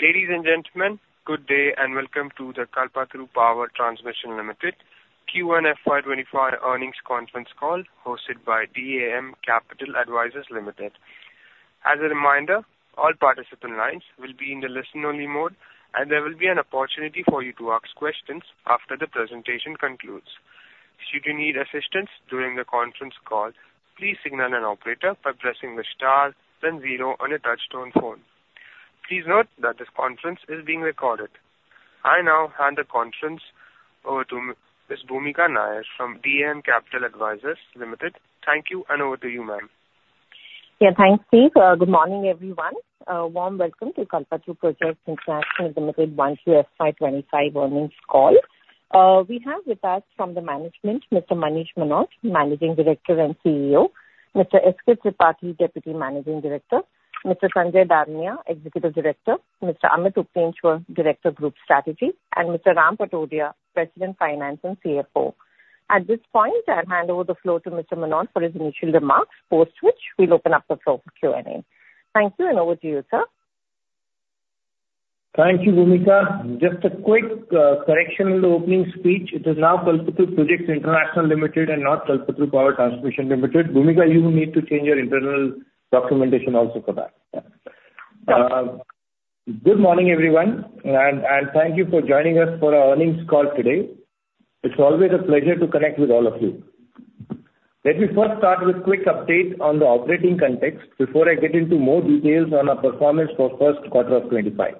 Ladies and gentlemen, good day, and welcome to the Kalpataru Projects International Limited Q1 FY 2025 earnings conference call, hosted by DAM Capital Advisors Limited. As a reminder, all participant lines will be in the listen-only mode, and there will be an opportunity for you to ask questions after the presentation concludes. Should you need assistance during the conference call, please signal an operator by pressing the star then zero on your touchtone phone. Please note that this conference is being recorded. I now hand the conference over to Ms. Bhoomika Nair from DAM Capital Advisors Limited. Thank you, and over to you, ma'am. Yeah, thanks, Steve. Good morning, everyone. A warm welcome to Kalpataru Projects International Limited Q1 FY 2025 earnings call. We have with us from the management, Mr. Manish Mohnot, Managing Director and CEO, Mr. S. K. Tripathi, Deputy Managing Director, Mr. Sanjay Dalmia, Executive Director, Mr. Amit Uplenchwar, Director of Group Strategy, and Mr. Ram Patodia, President, Finance and CFO. At this point, I'll hand over the floor to Mr. Mohnot for his initial remarks, post which we'll open up the floor for Q&A. Thank you, and over to you, sir. Thank you, Bhoomika. Just a quick correction in the opening speech. It is now Kalpataru Projects International Limited and not Kalpataru Power Transmission Limited. Bhoomika, you need to change your internal documentation also for that. Good morning, everyone, and thank you for joining us for our earnings call today. It's always a pleasure to connect with all of you. Let me first start with a quick update on the operating context before I get into more details on our performance for first quarter of 2025.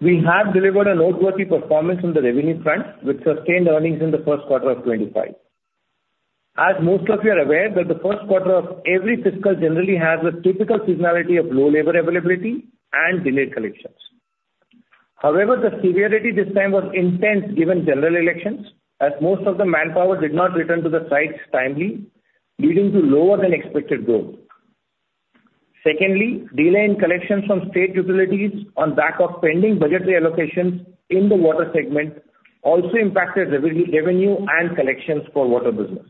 We have delivered a noteworthy performance on the revenue front, with sustained earnings in the first quarter of 2025. As most of you are aware, that the first quarter of every fiscal generally has a typical seasonality of low labor availability and delayed collections. However, the severity this time was intense, given general elections, as most of the manpower did not return to the sites timely, leading to lower than expected growth. Secondly, delay in collections from state utilities on back of pending budgetary allocations in the water segment also impacted revenue and collections for water business.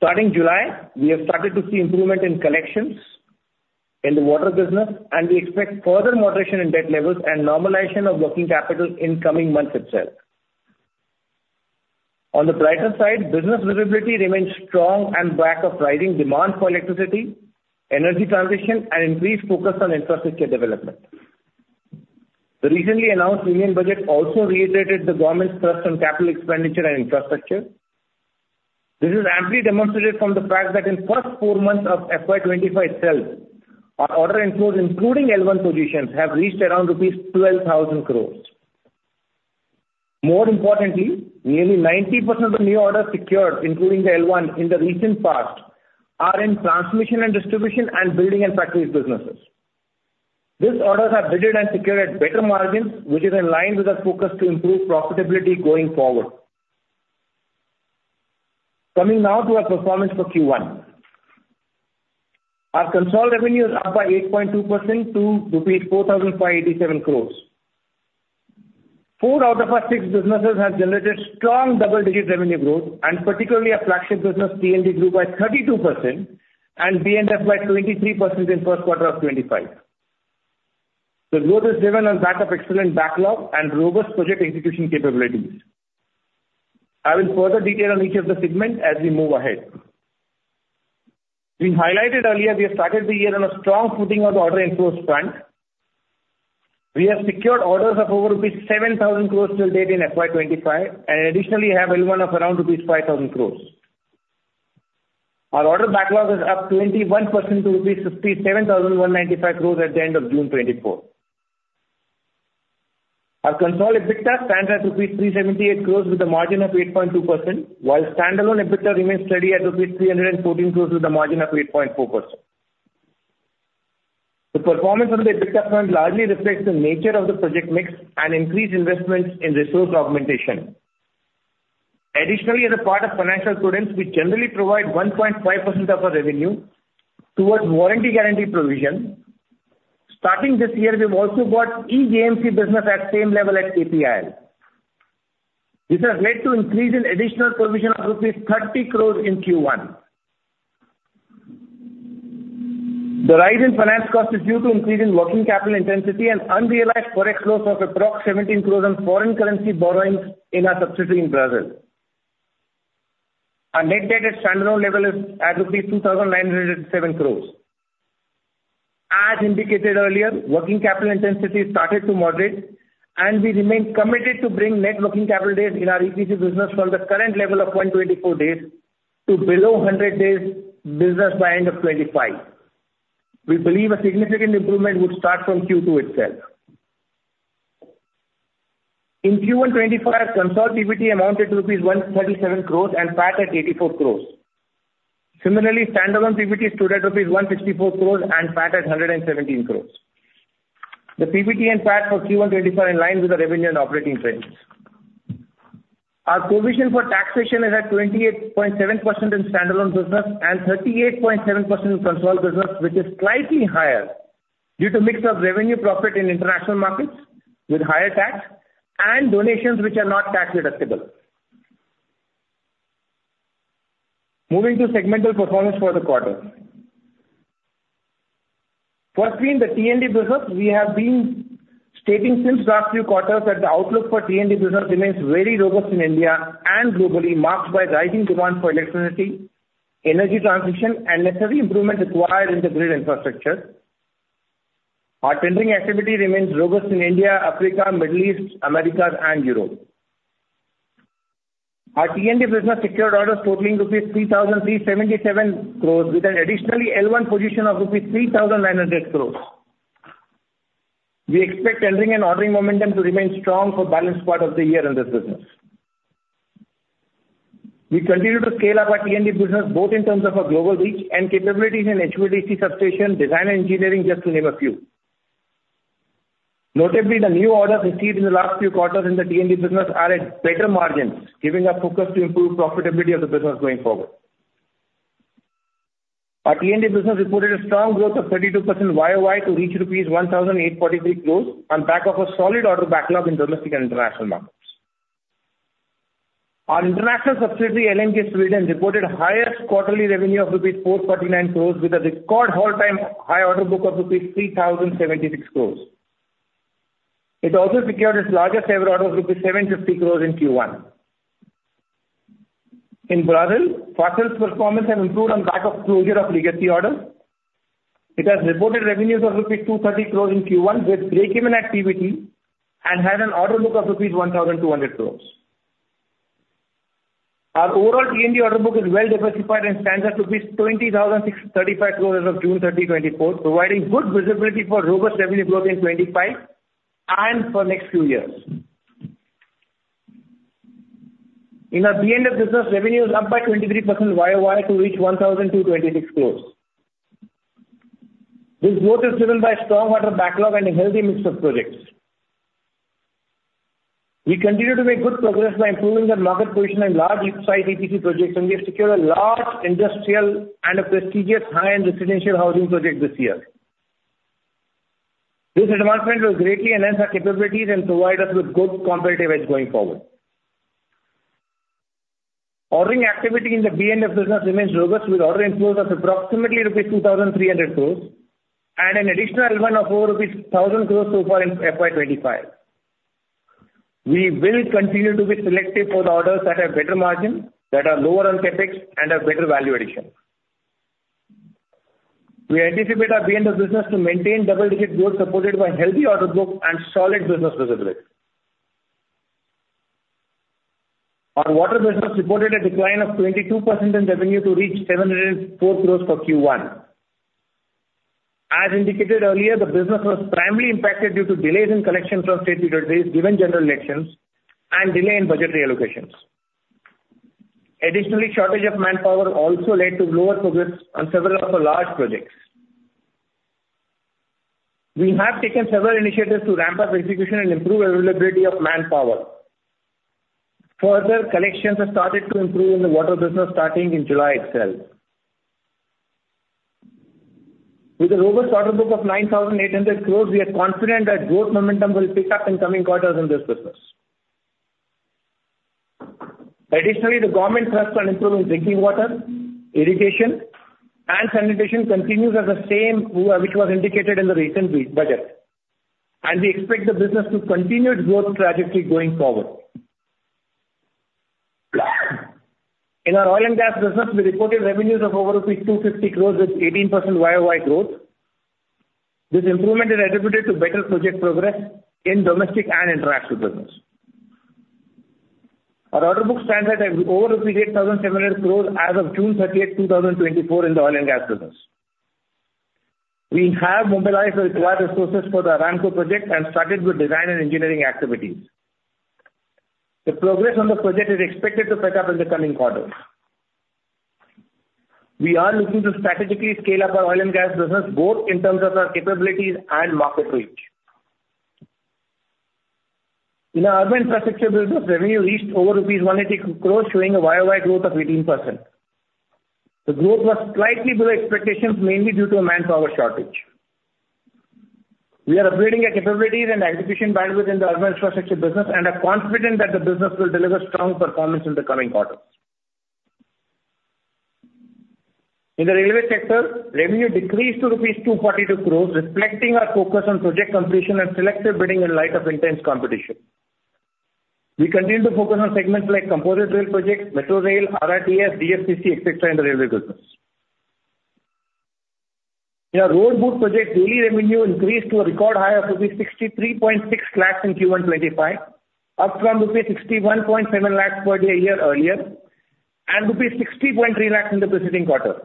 Starting July, we have started to see improvement in collections in the water business, and we expect further moderation in debt levels and normalization of working capital in coming months itself. On the brighter side, business visibility remains strong and back of rising demand for electricity, energy transition, and increased focus on infrastructure development. The recently announced union budget also reiterated the government's trust on capital expenditure and infrastructure. This is amply demonstrated from the fact that in first four months of FY 2025 itself, our order inflows, including L1 positions, have reached around 12,000 crores rupees. More importantly, nearly 90% of the new orders secured, including the L1 in the recent past, are in Transmission & Distribution and Buildings & Factories businesses. These orders are bid and secured at better margins, which is in line with our focus to improve profitability going forward. Coming now to our performance for Q1. Our consolidated revenue is up by 8.2% to rupees 4,587 crores. Four out of our six businesses have generated strong double-digit revenue growth, and particularly our flagship business, T&D, grew by 32% and B&F by 23% in first quarter of 2025. The growth is driven on back of excellent backlog and robust project execution capabilities. I will further detail on each of the segments as we move ahead. We highlighted earlier, we have started the year on a strong footing on the order inflows front. We have secured orders of over rupees 7,000 crores till date in FY 2025, and additionally, have L1 of around rupees 5,000 crores. Our order backlog is up 21% to rupees 57,195 crores at the end of June 2024. Our consolidated EBITDA stands at rupees 378 crores with a margin of 8.2%, while standalone EBITDA remains steady at rupees 314 crores with a margin of 8.4%. The performance on the EBITDA front largely reflects the nature of the project mix and increased investments in resource augmentation. Additionally, as a part of financial prudence, we generally provide 1.5% of our revenue towards warranty guarantee provision. Starting this year, we've also got JMC business at same level as KPIL. This has led to increase in additional provision of rupees 30 crores in Q1. The rise in finance cost is due to increase in working capital intensity and unrealized forex loss of approx INR 17 crores on foreign currency borrowings in our subsidiary in Brazil. Our net debt at standalone level is at rupees 2,907 crores. As indicated earlier, working capital intensity started to moderate, and we remain committed to bring net working capital days in our EPC business from the current level of 124 days to below 100 days business by end of 2025. We believe a significant improvement would start from Q2 itself. In Q1 2025, consolidated PBT amounted to rupees 137 crores and PAT at 84 crores. Similarly, standalone PBT stood at rupees 164 crores and PAT at 117 crores. The PBT and PAT for Q1 2025 are in line with the revenue and operating trends. Our provision for taxation is at 28.7% in standalone business and 38.7% in consolidated business, which is slightly higher due to mix of revenue profit in international markets with higher tax and donations which are not tax deductible. Moving to segmental performance for the quarter. Firstly, in the T&D business, we have been stating since last few quarters that the outlook for T&D business remains very robust in India and globally, marked by rising demand for electricity, energy transition, and necessary improvements required in the grid infrastructure. Our tendering activity remains robust in India, Africa, Middle East, Americas, and Europe. Our T&D business secured orders totaling 3,377 crores rupees, with an additional L1 position of 3,900 crores rupees. We expect tendering and ordering momentum to remain strong for balance part of the year in this business. We continue to scale up our T&D business, both in terms of our global reach and capabilities in HVDC substation, design, and engineering, just to name a few. Notably, the new orders received in the last few quarters in the T&D business are at better margins, giving our focus to improve profitability of the business going forward. Our T&D business reported a strong growth of 32% YoY to reach rupees 1,843 crores, on back of a solid order backlog in domestic and international markets. Our international subsidiary, LMG Sweden, reported highest quarterly revenue of rupees 449 crores with a record all-time high order book of rupees 3,076 crores. It also secured its largest ever order of rupees 750 crores in Q1. In Brazil, Fasttel's performance has improved on the back of closure of legacy orders. It has reported revenues of rupees 230 crores in Q1, with breakeven activity and had an order book of rupees 1,200 crores. Our overall T&D order book is well diversified and stands at rupees 20,635 crores as of June 30, 2024, providing good visibility for robust revenue growth in 2025 and for next few years. In our B&F business, revenue is up by 23% YoY to reach 1,226 crores. This growth is driven by strong order backlog and a healthy mix of projects. We continue to make good progress by improving our market position in large size EPC projects, and we have secured a large industrial and a prestigious high-end residential housing project this year. This advancement will greatly enhance our capabilities and provide us with good competitive edge going forward. Ordering activity in the B&F business remains robust, with order inflows of approximately rupees 2,300 crores and an additional one of over rupees 1,000 crores so far in FY 2025. We will continue to be selective for the orders that have better margin, that are lower on CapEx, and have better value addition. We anticipate our B&F business to maintain double-digit growth, supported by healthy order book and solid business visibility. Our water business reported a decline of 22% in revenue to reach 704 crores for Q1. As indicated earlier, the business was primarily impacted due to delays in collections from state utilities, given general elections and delay in budgetary allocations. Additionally, shortage of manpower also led to lower progress on several of our large projects. We have taken several initiatives to ramp up execution and improve availability of manpower. Further, collections have started to improve in the water business starting in July itself. With a robust order book of 9,800 crores, we are confident that growth momentum will pick up in coming quarters in this business. Additionally, the government thrust on improving drinking water, irrigation, and sanitation continues as the same, which was indicated in the recent budget, and we expect the business to continue its growth trajectory going forward. In our oil and gas business, we reported revenues of over rupees 250 crores, with 18% YoY growth. This improvement is attributed to better project progress in domestic and international business. Our order book stands at over 8,700 crores as of June 30, 2024, in the oil and gas business. We have mobilized the required resources for the Aramco project and started with design and engineering activities. The progress on the project is expected to pick up in the coming quarters. We are looking to strategically scale up our oil and gas business, both in terms of our capabilities and market reach. In our urban infrastructure business, revenue reached over rupees 180 crores, showing a YoY growth of 18%. The growth was slightly below expectations, mainly due to a manpower shortage. We are upgrading our capabilities and execution bandwidth in the urban infrastructure business and are confident that the business will deliver strong performance in the coming quarters. In the railway sector, revenue decreased to rupees 242 crores, reflecting our focus on project completion and selective bidding in light of intense competition. We continue to focus on segments like composite rail projects, Metro Rail, RRTS, DFCC, et cetera, in the railway business. In our Road BOOT project, daily revenue increased to a record high of rupees 63.6 lakh in Q1 2025, up from rupees 61.7 lakh per day a year earlier and rupees 60.3 lakh in the preceding quarter.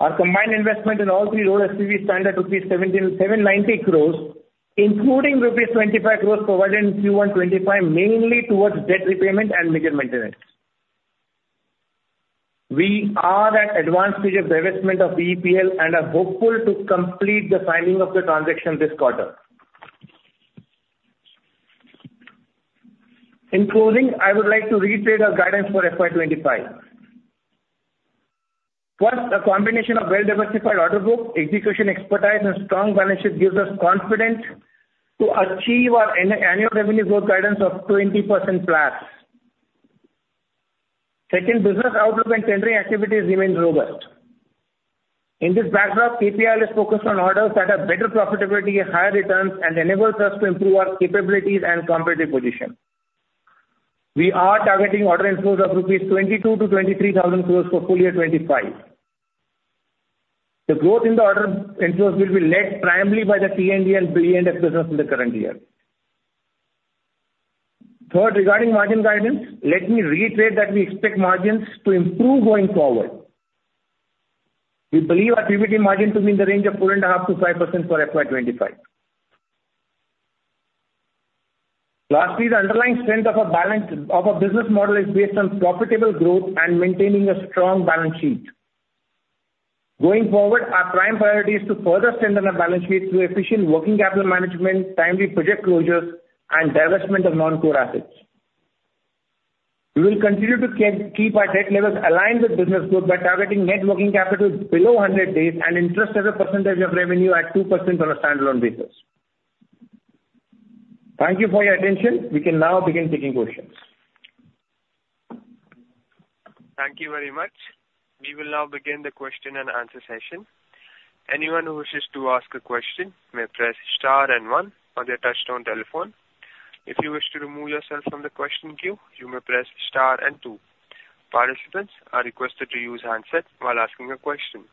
Our combined investment in all three road SPVs stand at rupees 7,790 crores, including rupees 25 crores provided in Q1 2025, mainly towards debt repayment and major maintenance. We are at advanced stage of divestment of VEPL and are hopeful to complete the signing of the transaction this quarter. In closing, I would like to reiterate our guidance for FY 2025. First, a combination of well-diversified order book, execution expertise, and strong balance sheet gives us confidence to achieve our annual revenue growth guidance of 20%+. Second, business outlook and tendering activities remain robust. In this backdrop, KPIL is focused on orders that have better profitability and higher returns and enables us to improve our capabilities and competitive position. We are targeting order inflows of 22,000-23,000 crores rupees for full year 2025. The growth in the order inflows will be led primarily by the T&D and B&F business in the current year. Third, regarding margin guidance, let me reiterate that we expect margins to improve going forward. We believe our PBT margin to be in the range of 4.5%-5% for FY 2025. Lastly, the underlying strength of our balance, of our business model is based on profitable growth and maintaining a strong balance sheet. Going forward, our prime priority is to further strengthen our balance sheet through efficient working capital management, timely project closures, and divestment of non-core assets. We will continue to keep our debt levels aligned with business growth by targeting net working capital below 100 days and interest as a percentage of revenue at 2% on a standalone basis. Thank you for your attention. We can now begin taking questions. Thank you very much. We will now begin the question and answer session. Anyone who wishes to ask a question may press star and one on your touchtone telephone. If you wish to remove yourself from the question queue, you may press star and two. Participants are requested to use handset while asking a question.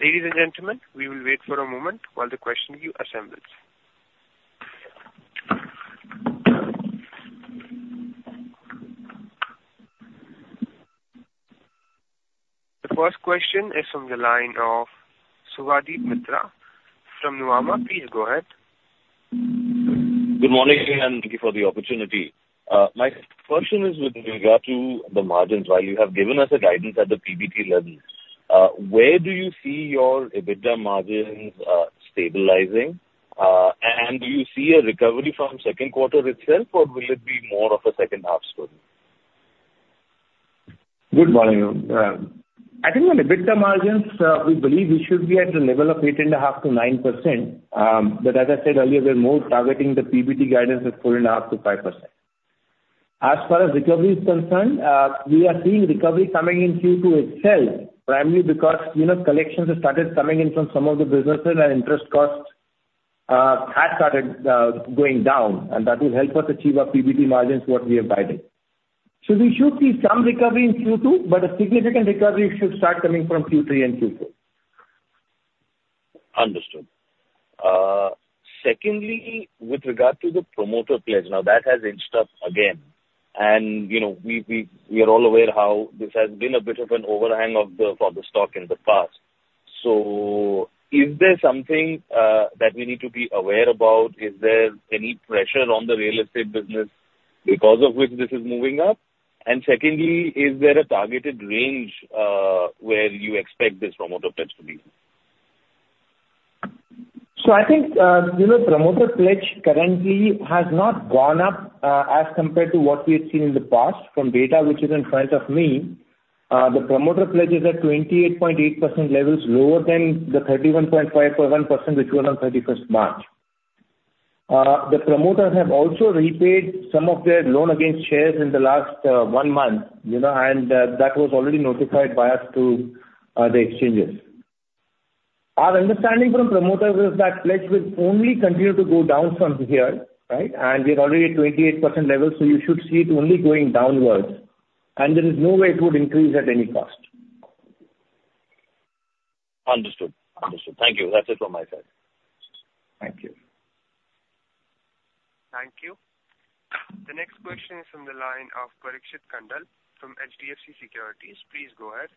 Ladies and gentlemen, we will wait for a moment while the question queue assembles. The first question is from the line of Subhadip Mitra from Nuvama. Please go ahead. Good morning, and thank you for the opportunity. My question is with regard to the margins. While you have given us a guidance at the PBT level, where do you see your EBITDA margins stabilizing? And do you see a recovery from second quarter itself, or will it be more of a second half story? Good morning. I think on EBITDA margins, we believe we should be at the level of 8.5%-9%. But as I said earlier, we're more targeting the PBT guidance of 4.5%-5%. As far as recovery is concerned, we are seeing recovery coming in Q2 itself, primarily because, you know, collections have started coming in from some of the businesses, and interest costs have started going down, and that will help us achieve our PBT margins, what we have guided. So we should see some recovery in Q2, but a significant recovery should start coming from Q3 and Q4. Understood. Secondly, with regard to the promoter pledge, now that has inched up again. And, you know, we are all aware how this has been a bit of an overhang for the stock in the past. So is there something that we need to be aware about? Is there any pressure on the real estate business because of which this is moving up? And secondly, is there a targeted range where you expect this promoter pledge to be? So I think, you know, promoter pledge currently has not gone up, as compared to what we had seen in the past. From data which is in front of me, the promoter pledge is at 28.8% levels, lower than the 31.5%, which was on 31st March. The promoters have also repaid some of their loan against shares in the last, one month, you know, and, that was already notified by us to, the exchanges. Our understanding from promoters is that pledge will only continue to go down from here, right? And we're already at 28% level, so you should see it only going downwards, and there is no way it would increase at any cost. Understood. Understood. Thank you. That's it from my side. Thank you. Thank you. The next question is from the line of Parikshit Kandpal from HDFC Securities. Please go ahead.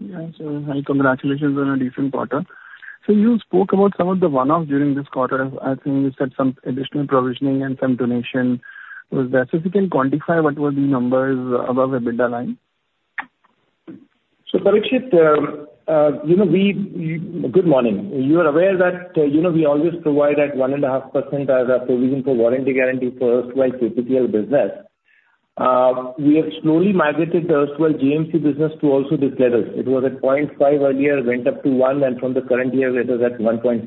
Yeah, so hi, congratulations on a decent quarter. So you spoke about some of the one-off during this quarter. I think you said some additional provisioning and some donation. So if you can quantify what were the numbers above the EBITDA line? So, Parikshit, you know, Good morning. You are aware that, you know, we always provide at 1.5% as a provision for warranty guarantee for erstwhile KPTL business. We have slowly migrated the erstwhile JMC business to also this level. It was at 0.5% earlier, went up to 1%, and from the current year, it is at 1.5%.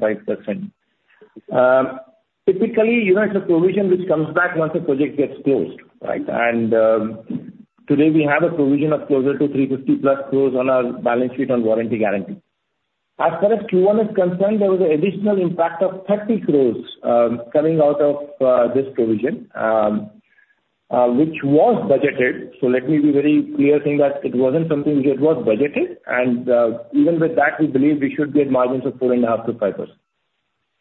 Typically, you know, it's a provision which comes back once the project gets closed, right? And today, we have a provision of closer to 350+ crores on our balance sheet on warranty guarantee. As far as Q1 is concerned, there was an additional impact of 30 crores coming out of this provision, which was budgeted. So let me be very clear, saying that it wasn't something... It was budgeted, and even with that, we believe we should be at margins of 4.5%-5%.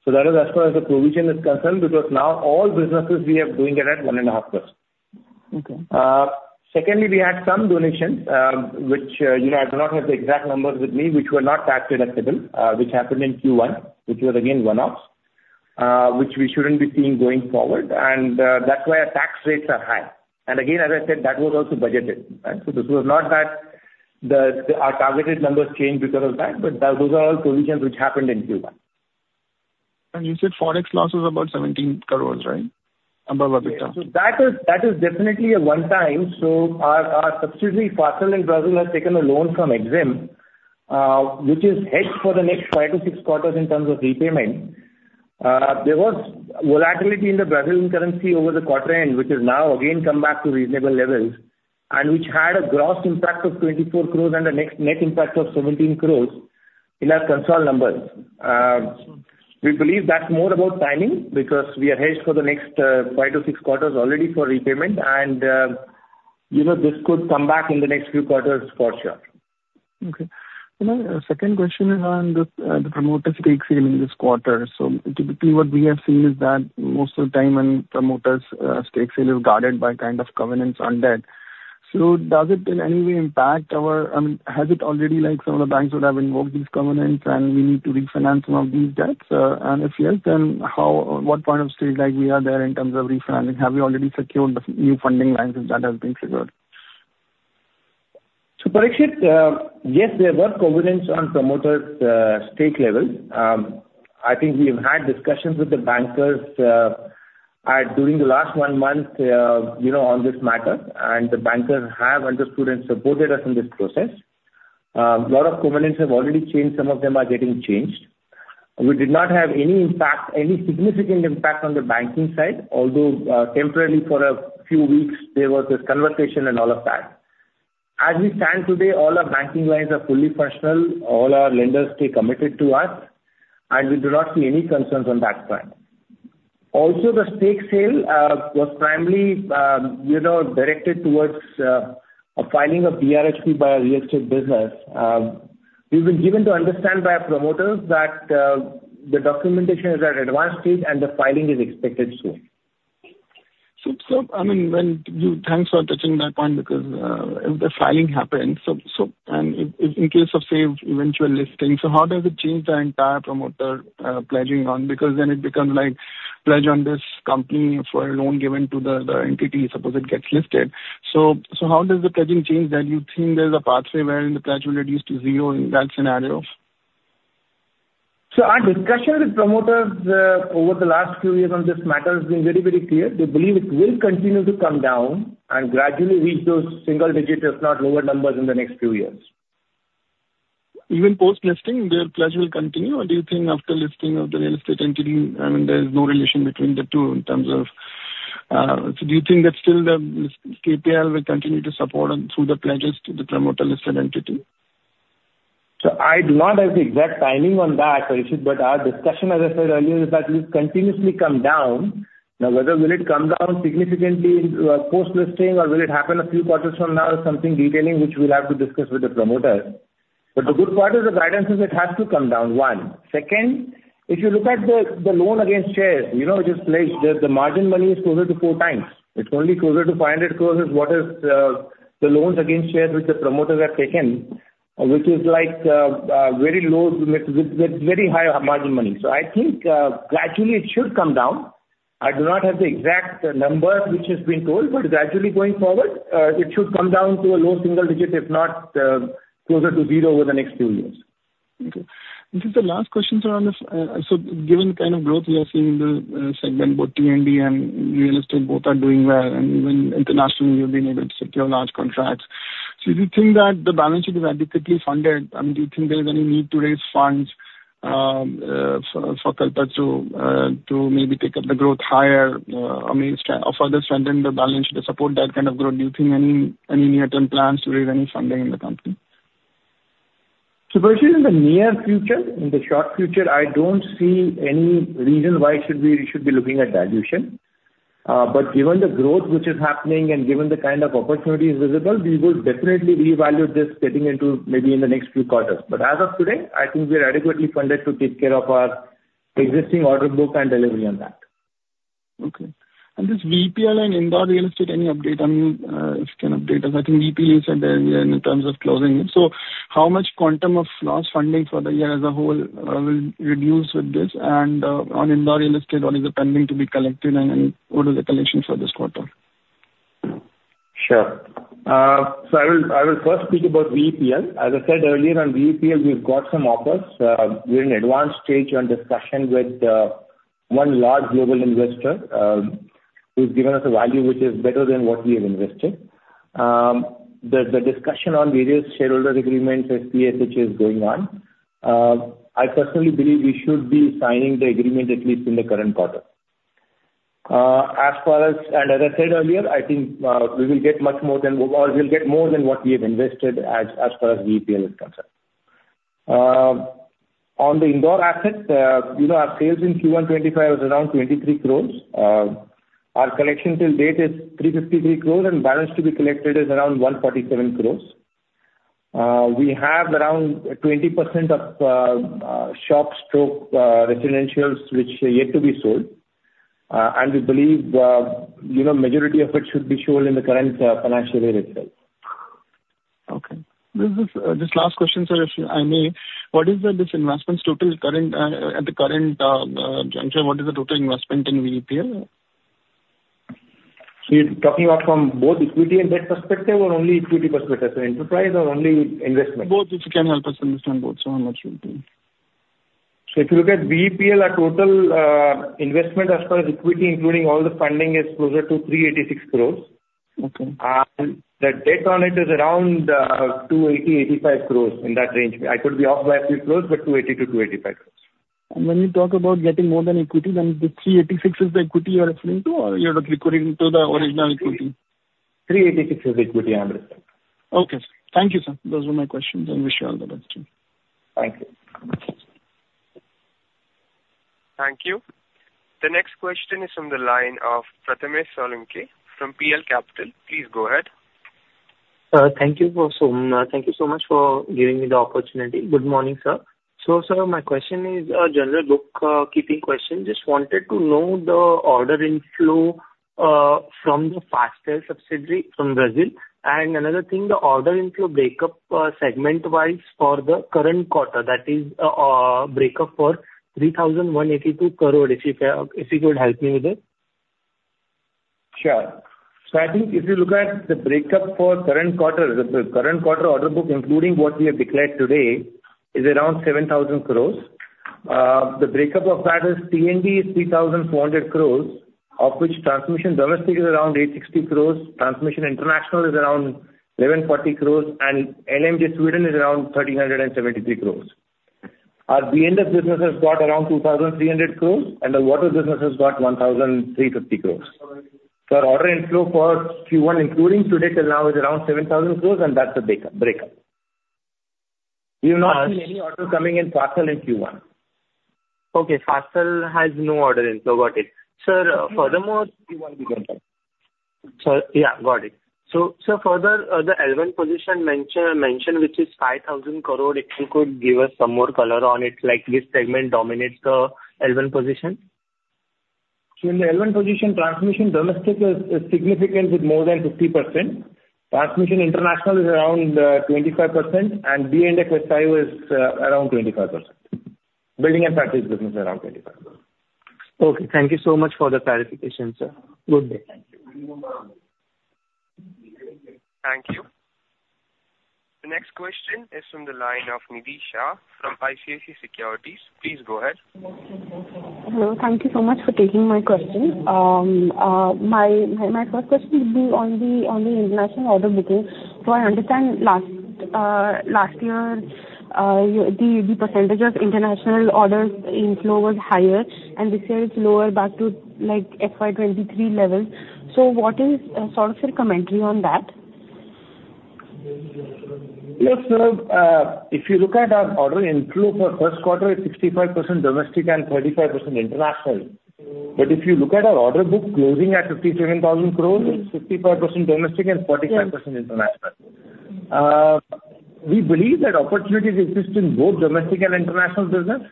So that is as far as the provision is concerned, because now all businesses we are doing it at 1.5%. Okay. Secondly, we had some donations, which, you know, I do not have the exact numbers with me, which were not tax-deductible, which happened in Q1, which was again one-offs, which we shouldn't be seeing going forward. And that's why our tax rates are high. And again, as I said, that was also budgeted, right? So this was not that our targeted numbers changed because of that, but those are all provisions which happened in Q1.... You said forex loss is about 17 crores, right? Above EBITDA. So that is definitely a one-time. So our subsidiary, Fasttel in Brazil, has taken a loan from EXIM, which is hedged for the next five to six quarters in terms of repayment. There was volatility in the Brazilian currency over the quarter end, which has now again come back to reasonable levels, and which had a gross impact of 24 crores and the net impact of 17 crores in our consolidated numbers. We believe that's more about timing, because we are hedged for the next five to six quarters already for repayment, and you know, this could come back in the next few quarters for sure. Okay. My second question is on the promoter stake sale in this quarter. So typically, what we have seen is that most of the time when promoters stake sale is guarded by kind of covenants on debt. So does it in any way impact our? I mean, has it already like some of the banks would have invoked these covenants, and we need to refinance some of these debts? And if yes, then how or what point of state like we are there in terms of refinancing? Have you already secured the new funding lines, if that has been figured? So, Parikshit, yes, there were covenants on promoter stake levels. I think we have had discussions with the bankers at during the last one month, you know, on this matter, and the bankers have understood and supported us in this process. A lot of covenants have already changed, some of them are getting changed. We did not have any impact, any significant impact on the banking side, although, temporarily for a few weeks there was this conversation and all of that. As we stand today, all our banking lines are fully functional, all our lenders stay committed to us, and we do not see any concerns on that front. Also, the stake sale was primarily, you know, directed towards, a filing of DRHP by our real estate business. We've been given to understand by our promoters that the documentation is at advanced stage and the filing is expected soon. I mean, when you... Thanks for touching that point because if the filing happens, and in case of, say, eventual listing, how does it change the entire promoter pledging on? Because then it becomes like pledge on this company for a loan given to the entity, suppose it gets listed. So how does the pledging change that? You think there's a pathway where the pledge will reduce to zero in that scenario? Our discussion with promoters, over the last few years on this matter has been very, very clear. They believe it will continue to come down and gradually reach those single digits, if not lower numbers in the next few years. Even post-listing, their pledge will continue, or do you think after listing of the real estate entity, I mean, there is no relation between the two in terms of... So do you think that still the KPL will continue to support them through the pledges to the promoter-listed entity? So I do not have the exact timing on that, Parikshit, but our discussion, as I said earlier, is that we've continuously come down. Now, whether will it come down significantly post-listing, or will it happen a few quarters from now, is something detailing which we'll have to discuss with the promoter. But the good part is the guidance is it has to come down, one. Second, if you look at the loan against shares, you know, just like the margin money is closer to four times. It's only closer to 500 crores is what is the loans against shares which the promoters have taken, which is like a very low with very high margin money. So I think gradually it should come down. I do not have the exact number which is being told, but gradually going forward, it should come down to a low single digits, if not, closer to zero over the next few years. Okay. This is the last question, sir, on this. So given the kind of growth we are seeing in the segment, both T&D and real estate, both are doing well, and even internationally, you've been able to secure large contracts. So do you think that the balance sheet is adequately funded, and do you think there's any need to raise funds for Kalpataru to maybe take up the growth higher, I mean, to further strengthen the balance sheet to support that kind of growth? Do you think any near-term plans to raise any funding in the company? So, Parikshit, in the near future, in the short future, I don't see any reason why it should be; we should be looking at dilution. But given the growth which is happening and given the kind of opportunities visible, we would definitely reevaluate this getting into maybe in the next few quarters. But as of today, I think we are adequately funded to take care of our existing order book and delivery on that. Okay. And this VEPL and Indore Real Estate, any update? I mean, if you can update us. I think VEPL, you said the, in terms of closing it. So how much quantum of loss funding for the year as a whole will reduce with this? And on Indore Real Estate, or is it pending to be collected, and what is the collection for this quarter? Sure. So I will first speak about VEPL. As I said earlier, on VEPL, we've got some offers. We're in advanced stage on discussion with one large global investor, who's given us a value which is better than what we have invested. The discussion on various shareholder agreements, SPA, SHA, is going on. I personally believe we should be signing the agreement at least in the current quarter. As far as, and as I said earlier, I think we will get much more than, or we'll get more than what we have invested as far as VEPL is concerned. On the Indore assets, you know, our sales in Q1 2025 was around 23 crores. Our collection till date is 353 crores, and balance to be collected is around 147 crores. We have around 20% of shops/residentials which are yet to be sold. We believe, you know, majority of it should be shown in the current financial year itself. Okay. This is just last question, sir, if I may. What is the this investment's total current at the current juncture, what is the total investment in VEPL? ... You're talking about from both equity and debt perspective or only equity perspective, so enterprise or only investment? Both, if you can help us understand both, so much would be. If you look at VEPL, our total investment as far as equity, including all the funding, is closer to 386 crores. Okay. The debt on it is around 285 crores, in that range. I could be off by a few crores, but 280-285 crores. When you talk about getting more than equity, then the 386 is the equity you are referring to, or you're referring to the original equity? 386 is equity, 100%. Okay. Thank you, sir. Those were my questions, and wish you all the best too. Thank you. Thank you. The next question is from the line of Prathmesh Salunkhe from PL Capital. Please go ahead. Thank you for, so, thank you so much for giving me the opportunity. Good morning, sir. So sir, my question is a general bookkeeping question. Just wanted to know the order inflow from the Fasttel subsidiary from Brazil. And another thing, the order inflow breakup segment-wise for the current quarter, that is, breakup for 3,182 crores, if you could help me with it. Sure. So I think if you look at the breakup for current quarter, the current quarter order book, including what we have declared today, is around 7,000 crores. The breakup of that is T&D is 3,400 crores, of which transmission domestic is around 860 crores, Transmission International is around 1,140 crores, and LMG Sweden is around 1,373 crores. Our B&F business has got around 2,300 crores, and the water business has got 1,350 crores. So our order inflow for Q1, including today till now, is around 7,000 crores, and that's the breakup, breakup. We've not seen any order coming in Fasttel in Q1. Okay, Fasttel has no order inflow. Got it. Sir, furthermore- Q1 we got that. Sir, yeah, got it. So, sir, further, the L1 position mentioned, which is 5,000 crores, if you could give us some more color on it, like which segment dominates the L1 position? In the L1 position, transmission domestic is significant with more than 50%. Transmission international is around 25%, and B&F is around 25%. Buildings & Factories business is around 25%. Okay, thank you so much for the clarification, sir. Good day. Thank you. Thank you. The next question is from the line of Nidhi Shah from ICICI Securities. Please go ahead. Hello. Thank you so much for taking my question. My first question would be on the international order booking. So I understand last year the percentage of international orders inflow was higher, and this year it's lower back to, like, FY 2023 level. So what is sort of your commentary on that? Yes, so, if you look at our order inflow for first quarter, it's 65% domestic and 35% international. But if you look at our order book closing at 57,000 crores, it's 55% domestic and 45% international. Mm. We believe that opportunities exist in both domestic and international business.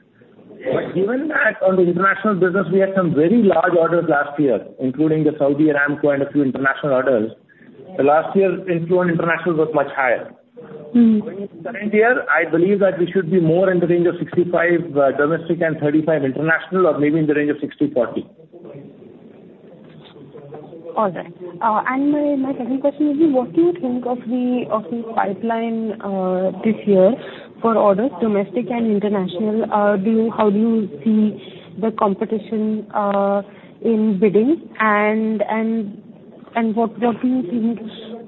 But given that on the international business, we had some very large orders last year, including the Saudi Aramco and a few international orders, the last year's inflow on international was much higher. Mm. Current year, I believe that we should be more in the range of 65 domestic and 35 international, or maybe in the range of 60/40. All right. And my second question would be: what do you think of the pipeline this year for orders, domestic and international? How do you see the competition in bidding? And what do you think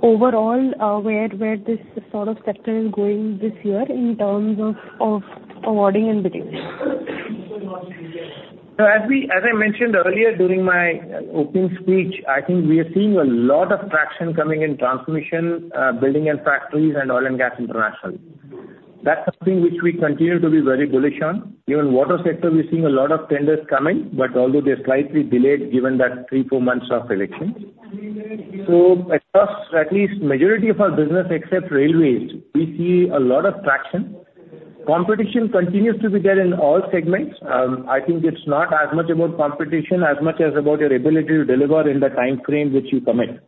overall where this sort of sector is going this year in terms of awarding and bidding? So as I mentioned earlier during my opening speech, I think we are seeing a lot of traction coming in transmission, Buildings & Factories, and oil and gas international. That's something which we continue to be very bullish on. Even water sector, we're seeing a lot of tenders coming, but although they're slightly delayed, given that three, four months of election. So across at least majority of our business, except railways, we see a lot of traction. Competition continues to be there in all segments. I think it's not as much about competition as much as about your ability to deliver in the time frame which you commit.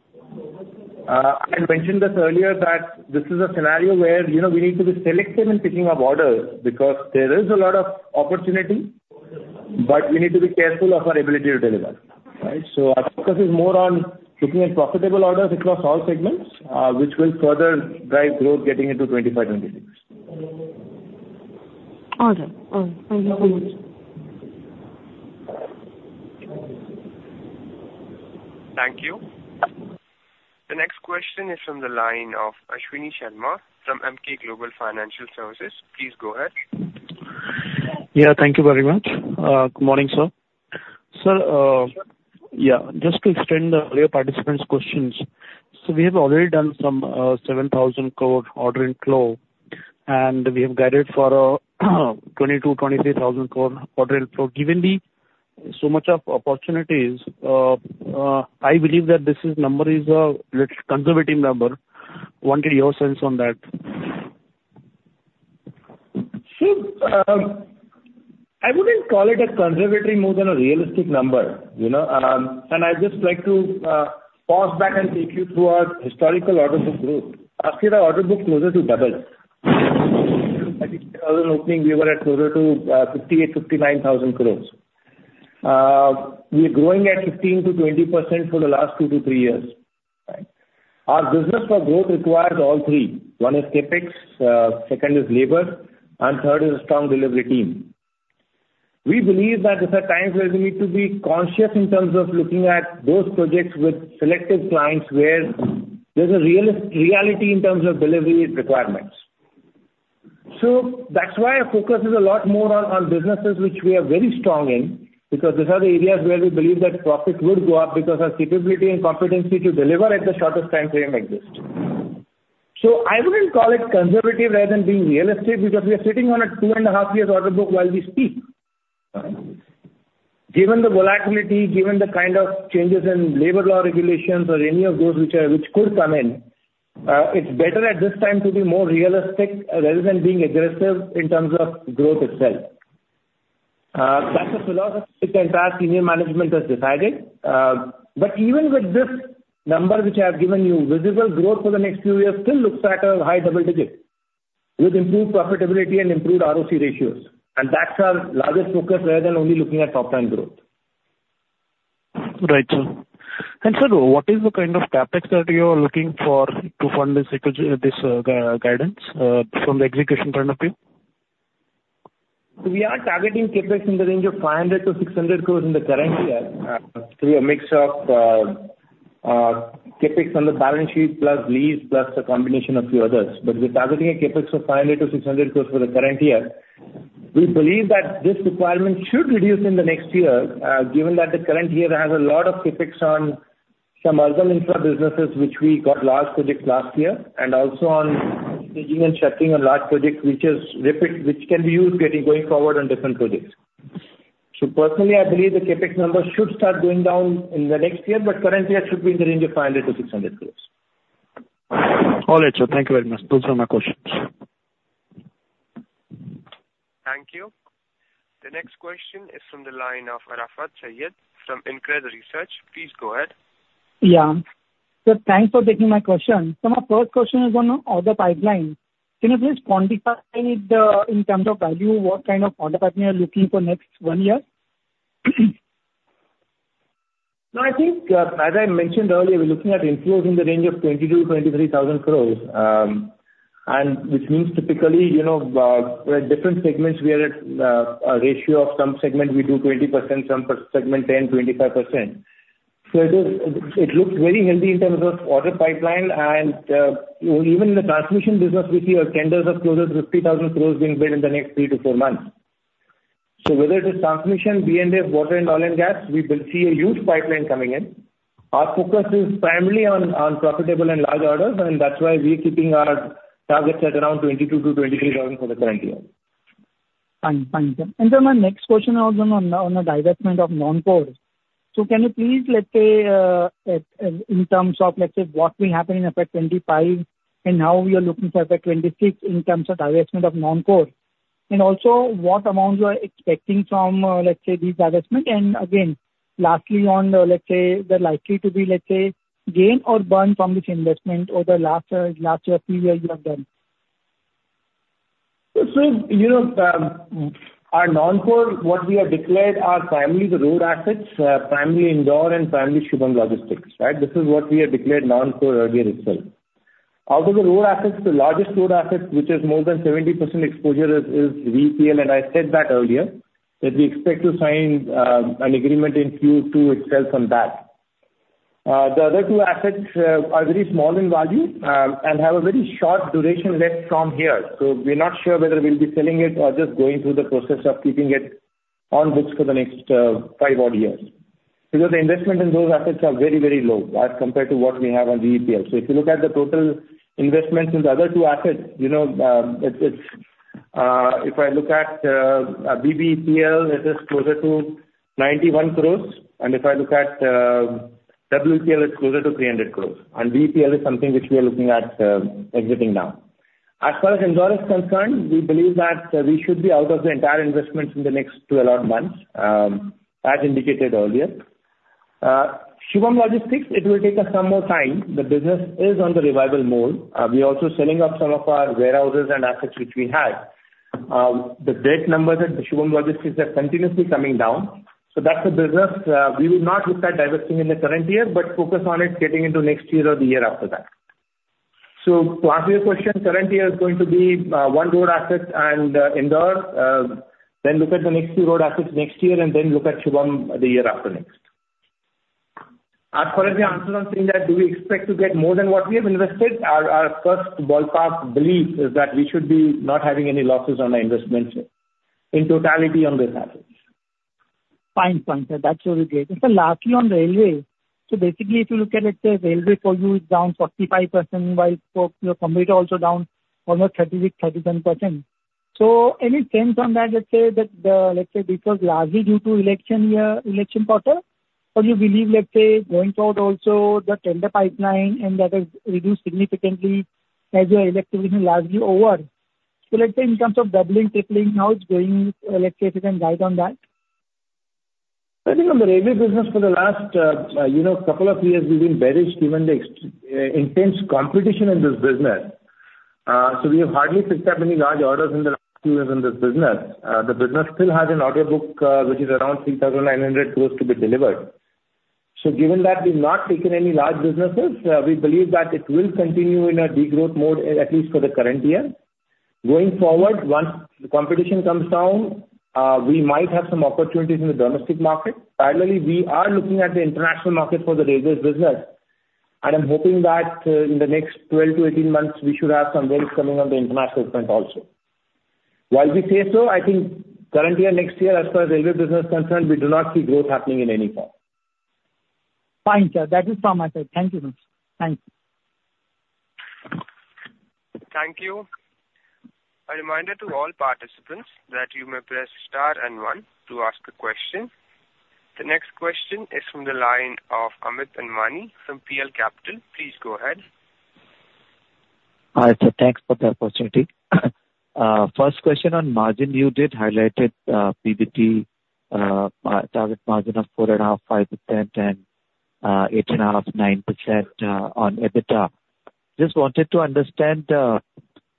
I mentioned this earlier, that this is a scenario where, you know, we need to be selective in picking up orders, because there is a lot of opportunity, but we need to be careful of our ability to deliver, right? So our focus is more on looking at profitable orders across all segments, which will further drive growth getting into 2025, 2026. All right. Thank you so much. Thank you. The next question is from the line of Ashwani Sharma from Emkay Global Financial Services. Please go ahead. Yeah, thank you very much. Good morning, sir. Sir, yeah, just to extend the earlier participants' questions, so we have already done some 7,000 crores order inflow, and we have guided for 22,000-23,000 crores order inflow. Given the so much of opportunities, I believe that this is number is a little conservative number. Wanted your sense on that. So, I wouldn't call it a conservative more than a realistic number, you know? And I'd just like to pause back and take you through our historical order book growth. Last year our order book closes to double. I think other opening, we were at closer to 58,000-59,000 crores. We're growing at 15%-20% for the last two to three years, right? Our business for growth requires all three. One is CapEx, second is labor, and third is a strong delivery team. We believe that there are times where we need to be conscious in terms of looking at those projects with selected clients, where there's a reality in terms of delivery requirements. So that's why our focus is a lot more on, on businesses which we are very strong in, because these are the areas where we believe that profit would go up, because our capability and competency to deliver at the shortest timeframe exists. So I wouldn't call it conservative rather than being realistic, because we are sitting on a 2.5-year order book while we speak. Given the volatility, given the kind of changes in labor law regulations or any of those which, which could come in, it's better at this time to be more realistic rather than being aggressive in terms of growth itself. That's a philosophy the entire senior management has decided. Even with this number which I have given you, visible growth for the next few years still looks at a high double-digit, with improved profitability and improved ROC ratios. That's our largest focus rather than only looking at top-line growth. Right, sir. Sir, what is the kind of CapEx that you are looking for to fund this guidance from the execution point of view? We are targeting CapEx in the range of 500-600 crores in the current year, through a mix of, CapEx on the balance sheet plus lease plus a combination of few others. But we're targeting a CapEx of 500-600 crores for the current year. We believe that this requirement should reduce in the next year, given that the current year has a lot of CapEx on some other infra businesses which we got large projects last year, and also on staging and checking on large projects, which is repeat, which can be used getting going forward on different projects. So personally, I believe the CapEx numbers should start going down in the next year, but currently it should be in the range of 500-600 crores. All right, sir. Thank you very much. Those are my questions. Thank you. The next question is from the line of Arafat Saiyed from InCred Research. Please go ahead. Yeah. Thanks for taking my question. My first question is on the order pipeline. Can you please quantify the, in terms of value, what kind of order pipeline you're looking for next one year? No, I think, as I mentioned earlier, we're looking at inflows in the range of 22,000 crores-23,000 crores. And which means typically, you know, we're at different segments. We are at, a ratio of some segment, we do 20%, some per segment 10, 25%. So it is, it looks very healthy in terms of order pipeline, and, even in the transmission business, we see our tenders are closer to 50,000 crores being built in the next three to four months. So whether it is transmission, B&F, water, and oil and gas, we will see a huge pipeline in coming in. Our focus is primarily on, on profitable and large orders, and that's why we are keeping our targets at around 22,000-23,000 crores for the current year. Fine. Fine, sir. And then my next question also on the, on the divestment of non-core. So can you please let's say, in terms of, let's say, what will happen in FY 2025 and how we are looking for FY 2026 in terms of divestment of non-core? And also, what amount you are expecting from, let's say, this divestment. And again, lastly on, let's say, the likely to be, let's say, gain or burn from this investment over the last, last year, few years you have done. So, you know, our non-core, what we have declared are primarily the road assets, primarily Indore and primarily Shubham Logistics, right? This is what we have declared non-core earlier itself. Out of the road assets, the largest road asset, which is more than 70% exposure, is VEPL, and I said that earlier, that we expect to sign an agreement in Q2 itself on that. The other two assets are very small in value and have a very short duration left from here. So we're not sure whether we'll be selling it or just going through the process of keeping it on books for the next five odd years. Because the investment in those assets are very, very low as compared to what we have on VEPL. So if you look at the total investments in the other two assets, you know, it's if I look at BBEPL, it is closer to 91 crores, and if I look at WEPL, it's closer to 300 crores. VEPL is something which we are looking at exiting now. As far as Indore is concerned, we believe that we should be out of the entire investment in the next 12 months, as indicated earlier. Shubham Logistics, it will take us some more time. The business is on the revival mode. We are also selling off some of our warehouses and assets which we had. The debt numbers at the Shubham Logistics are continuously coming down, so that's a business, we will not look at divesting in the current year, but focus on it getting into next year or the year after that. So to answer your question, current year is going to be, one road asset and, Indore. Then look at the next two road assets next year, and then look at Shubham the year after next. As far as the answer on saying that, do we expect to get more than what we have invested? Our, our first ballpark belief is that we should be not having any losses on our investments in totality on these assets. Fine. Fine, sir. That's what we get. Sir, lastly, on railway. So basically, if you look at, let's say, railway for you, it's down 45%, while for your competitor also down almost 33%-37%. So any sense on that, let's say that this was largely due to election year, election quarter, or you believe, let's say, going forward also the tender pipeline and that has reduced significantly as your election is largely over. So, let's say, in terms of doubling, tripling, how it's going, if you can guide on that? ... I think on the railway business for the last, you know, couple of years, we've been very given the intense competition in this business. So we have hardly picked up any large orders in the last two years in this business. The business still has an order book, which is around 3,900 crores to be delivered. So given that we've not taken any large businesses, we believe that it will continue in a degrowth mode, at least for the current year. Going forward, once the competition comes down, we might have some opportunities in the domestic market. Finally, we are looking at the international market for the railways business, and I'm hoping that, in the next 12-18 months, we should have some wins coming on the international front also. While we say so, I think current year, next year, as far as railway business is concerned, we do not see growth happening in any form. Fine, sir. That is from my side. Thank you very much. Thanks. Thank you. A reminder to all participants that you may press star and one to ask a question. The next question is from the line of Amit Anwani from PL Capital. Please go ahead. Hi, sir. Thanks for the opportunity. First question on margin, you did highlight it, PBT target margin of 4.5%-5% and 8.5%-9% on EBITDA. Just wanted to understand,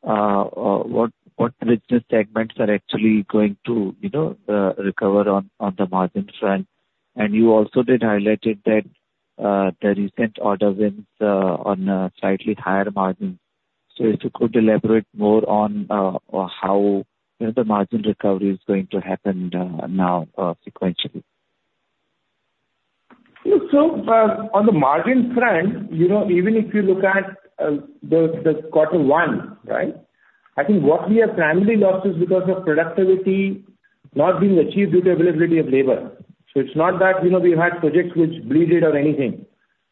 what business segments are actually going to, you know, recover on the margin front. And you also did highlighted that, the recent order wins on slightly higher margins. So if you could elaborate more on how, you know, the margin recovery is going to happen now sequentially. Yeah. So, on the margin front, you know, even if you look at, the quarter one, right? I think what we have primarily lost is because of productivity not being achieved due to availability of labor. So it's not that, you know, we had projects which bled or anything.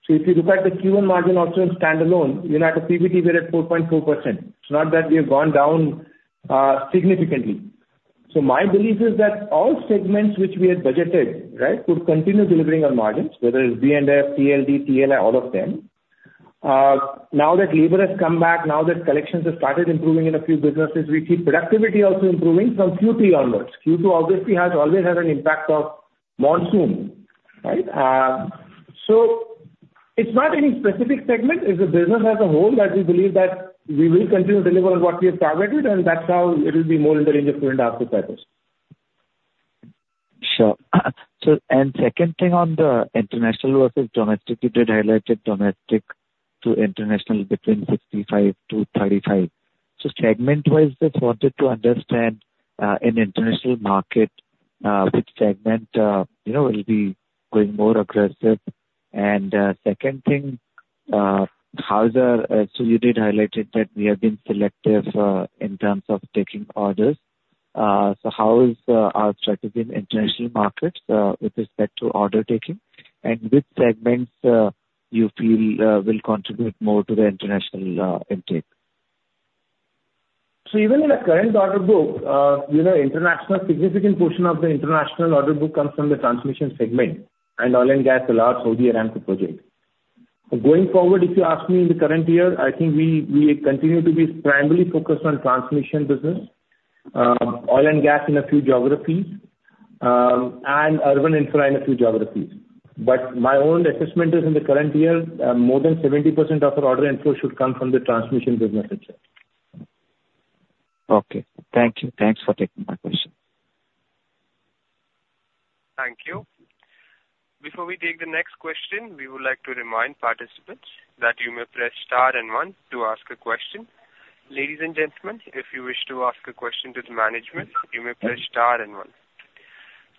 So if you look at the Q1 margin also in standalone, you know, at a PBT, we're at 4.4%. It's not that we have gone down, significantly. So my belief is that all segments which we had budgeted, right, could continue delivering on margins, whether it's B&F, T&D, TLI, all of them. Now that labor has come back, now that collections have started improving in a few businesses, we see productivity also improving from Q3 onwards. Q2 obviously has always had an impact of monsoon, right? It's not any specific segment, it's the business as a whole that we believe that we will continue to deliver on what we have targeted, and that's how it will be more in the range of 4.5%-5%. Sure. So, and second thing on the international versus domestic, you did highlight it, domestic to international, between 65 to 35. So segment-wise, just wanted to understand, in international market, which segment, you know, will be going more aggressive. And, second thing, so you did highlight it, that we have been selective, in terms of taking orders. So how is, our strategy in international markets, with respect to order taking? And which segments, you feel, will contribute more to the international, intake? So even in the current order book, you know, international, significant portion of the international order book comes from the transmission segment, and oil and gas, the large Saudi Aramco project. Going forward, if you ask me in the current year, I think we, we continue to be primarily focused on transmission business, oil and gas in a few geographies, and urban infra in a few geographies. But my own assessment is in the current year, more than 70% of our order inflow should come from the transmission business itself. Okay. Thank you. Thanks for taking my question. Thank you. Before we take the next question, we would like to remind participants that you may press star and one to ask a question. Ladies and gentlemen, if you wish to ask a question to the management, you may press star and one.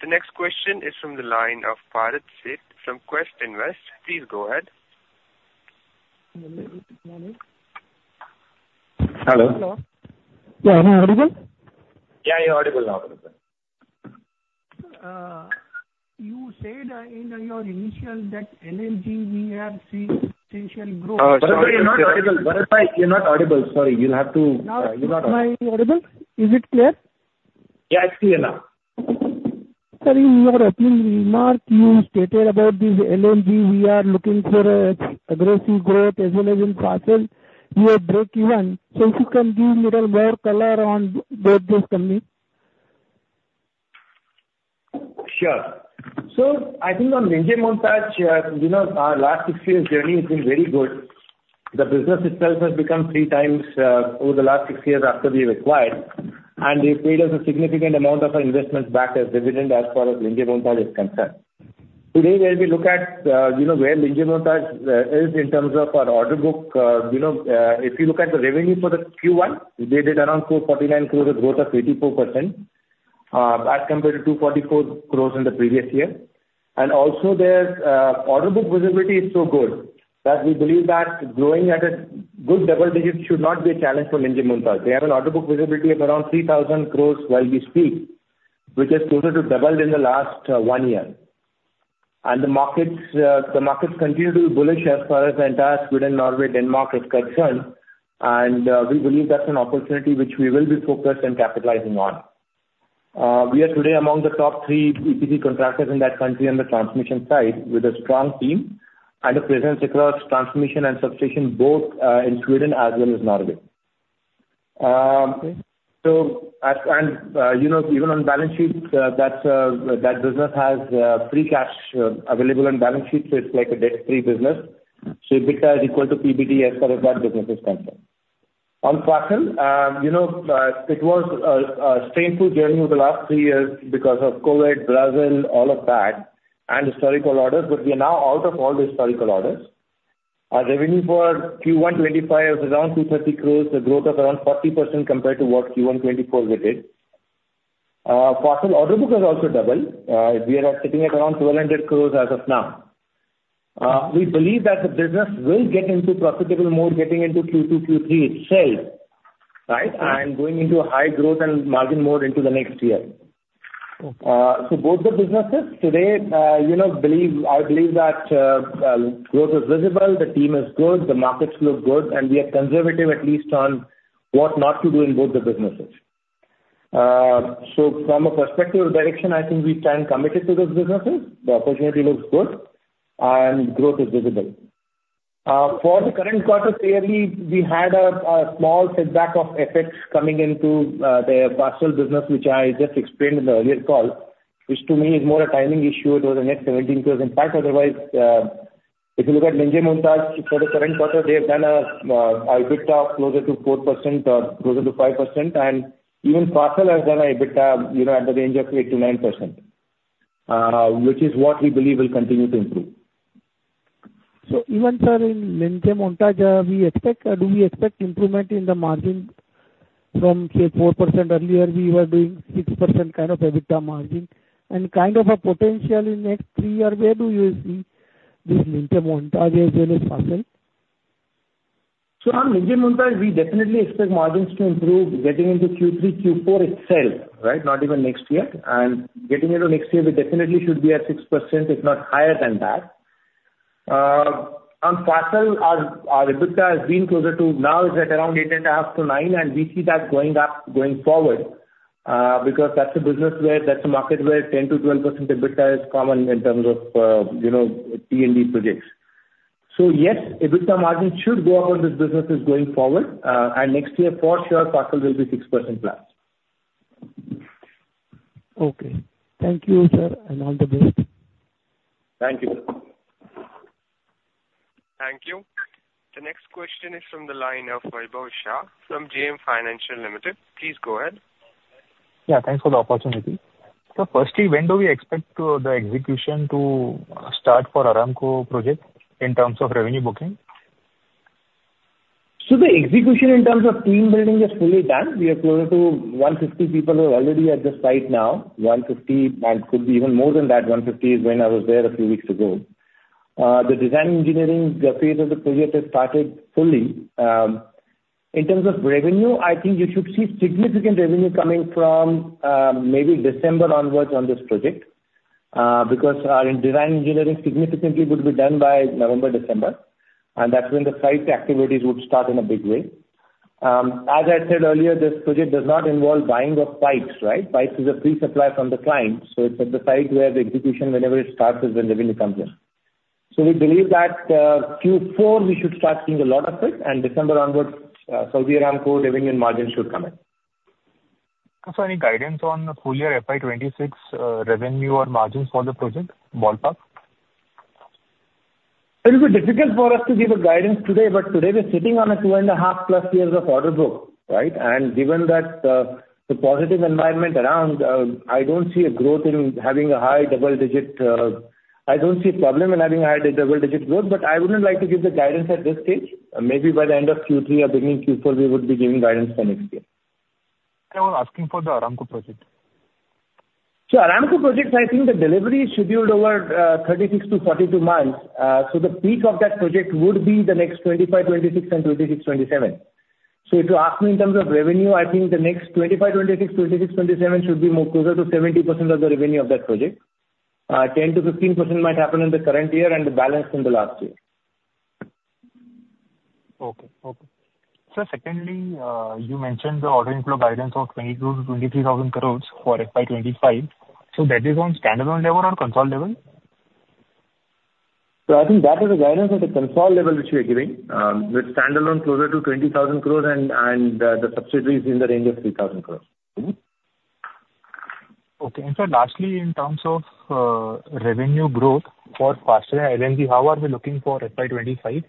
The next question is from the line of Bharat Sheth from Quest Invest. Please go ahead. Hello? Hello. Hello. Yeah, am I audible? Yeah, you're audible now. You said, in your initial that LMG, we have seen potential growth- Bharat, you're not audible. Bharat, you're not audible. Sorry, you'll have to- Now, am I audible? Is it clear? Yeah, it's clear now. Sir, in your opening remark, you stated about this LMG, we are looking for an aggressive growth as well as in fossil, we are breakeven. So if you can give a little more color on both those companies? Sure. So I think on Linjemontage, you know, our last six years journey has been very good. The business itself has become three times over the last six years after we acquired, and they paid us a significant amount of our investments back as dividend, as far as Linjemontage is concerned. Today, when we look at, you know, where Linjemontage is in terms of our order book, you know, if you look at the revenue for the Q1, we did it around 449 crores, a growth of 84%, as compared to 244 crores in the previous year. And also, their order book visibility is so good that we believe that growing at a good double digits should not be a challenge for Linjemontage. They have an order book visibility of around 3,000 crores while we speak, which has twofold doubled in the last one year. The markets continue to be bullish as far as the entire Sweden, Norway, Denmark is concerned, and we believe that's an opportunity which we will be focused on capitalizing on. We are today among the top three EPC contractors in that country on the transmission side, with a strong team and a presence across transmission and substation, both in Sweden as well as Norway. So, you know, even on balance sheet, that business has free cash available on balance sheet, so it's like a debt-free business. So EBITDA is equal to PBT as far as that business is concerned. On Fasttel, you know, it was a painful journey over the last three years because of COVID, Brazil, all of that, and historical orders, but we are now out of all the historical orders. Our revenue for Q1 2025 is around 230 crores, a growth of around 40% compared to what Q1 2024 we did. Fasttel order book has also doubled. We are sitting at around 1,200 crores as of now. We believe that the business will get into profitable mode, getting into Q2, Q3 itself, right? And going into a high growth and margin mode into the next year. So both the businesses today, you know, believe, I believe that, growth is visible, the team is good, the markets look good, and we are conservative, at least, on what not to do in both the businesses. So from a perspective direction, I think we stand committed to those businesses. The opportunity looks good, and growth is visible. For the current quarter, clearly, we had a small setback of effects coming into the Fasttel business, which I just explained in the earlier call, which to me is more a timing issue. It was a net 17 crores impact. Otherwise, if you look at Linjemontage, for the current quarter, they have done an EBITDA closer to 4%, closer to 5%. And even Fasttel has done an EBITDA, you know, at the range of 8%-9%, which is what we believe will continue to improve. So even, sir, in Linjemontage, we expect, do we expect improvement in the margin from, say, 4%? Earlier, we were doing 6% kind of EBITDA margin. And kind of a potential in next three year, where do you see this Linjemontage as well as Fasttel? So on Linjemontage, we definitely expect margins to improve getting into Q3, Q4 itself, right? Not even next year. And getting into next year, we definitely should be at 6%, if not higher than that. On Fasttel our EBITDA has been closer to, now it's at around 8.5-9, and we see that going up going forward, because that's a business where, that's a market where 10%-12% EBITDA is common in terms of, you know, T&D projects. So yes, EBITDA margin should go up on these businesses going forward. And next year, for sure, Fasttel will be 6%+. Okay. Thank you, sir, and all the best. Thank you. Thank you. The next question is from the line of Vaibhav Shah from JM Financial Limited. Please go ahead. Yeah, thanks for the opportunity. So firstly, when do we expect the execution to start for Aramco project in terms of revenue booking? So the execution in terms of team building is fully done. We are closer to 150 people who are already at the site now, 150, and could be even more than that. 150 is when I was there a few weeks ago. The design engineering phase of the project has started fully. In terms of revenue, I think you should see significant revenue coming from maybe December onwards on this project because in design engineering significantly would be done by November, December, and that's when the site activities would start in a big way. As I said earlier, this project does not involve buying of pipes, right? Pipes is a free supply from the client, so it's at the site where the execution, whenever it starts, is when revenue comes in. We believe that Q4, we should start seeing a lot of it, and December onwards, Saudi Aramco revenue and margins should come in. So any guidance on the full year FY 2026 revenue and margins for the project, ballpark? It is difficult for us to give a guidance today, but today we're sitting on a 2.5+ years of order book, right? And given that, the positive environment around, I don't see a growth in having a high double digit, I don't see a problem in having high double digit growth, but I wouldn't like to give the guidance at this stage. Maybe by the end of Q3 or beginning Q4, we would be giving guidance for next year. I was asking for the Aramco project. So Aramco project, I think the delivery is scheduled over 36-42 months. So the peak of that project would be the next 2025/2026 and 2026/2027. So if you ask me in terms of revenue, I think the next 2025/2026, 2026/2027 should be more closer to 70% of the revenue of that project. Ten to 15% might happen in the current year and the balance in the last year. Okay. Okay. Sir, secondly, you mentioned the order inflow guidance of 22,000 crores-23,000 crores for FY 2025. So that is on standalone level or consolidated level? I think that is a guidance at the consolidated level, which we are giving, with standalone closer to 20,000 crores and the subsidiaries in the range of 3,000 crores. Okay. And sir, lastly, in terms of revenue growth for Fasttel and LMG, how are we looking for FY 2025?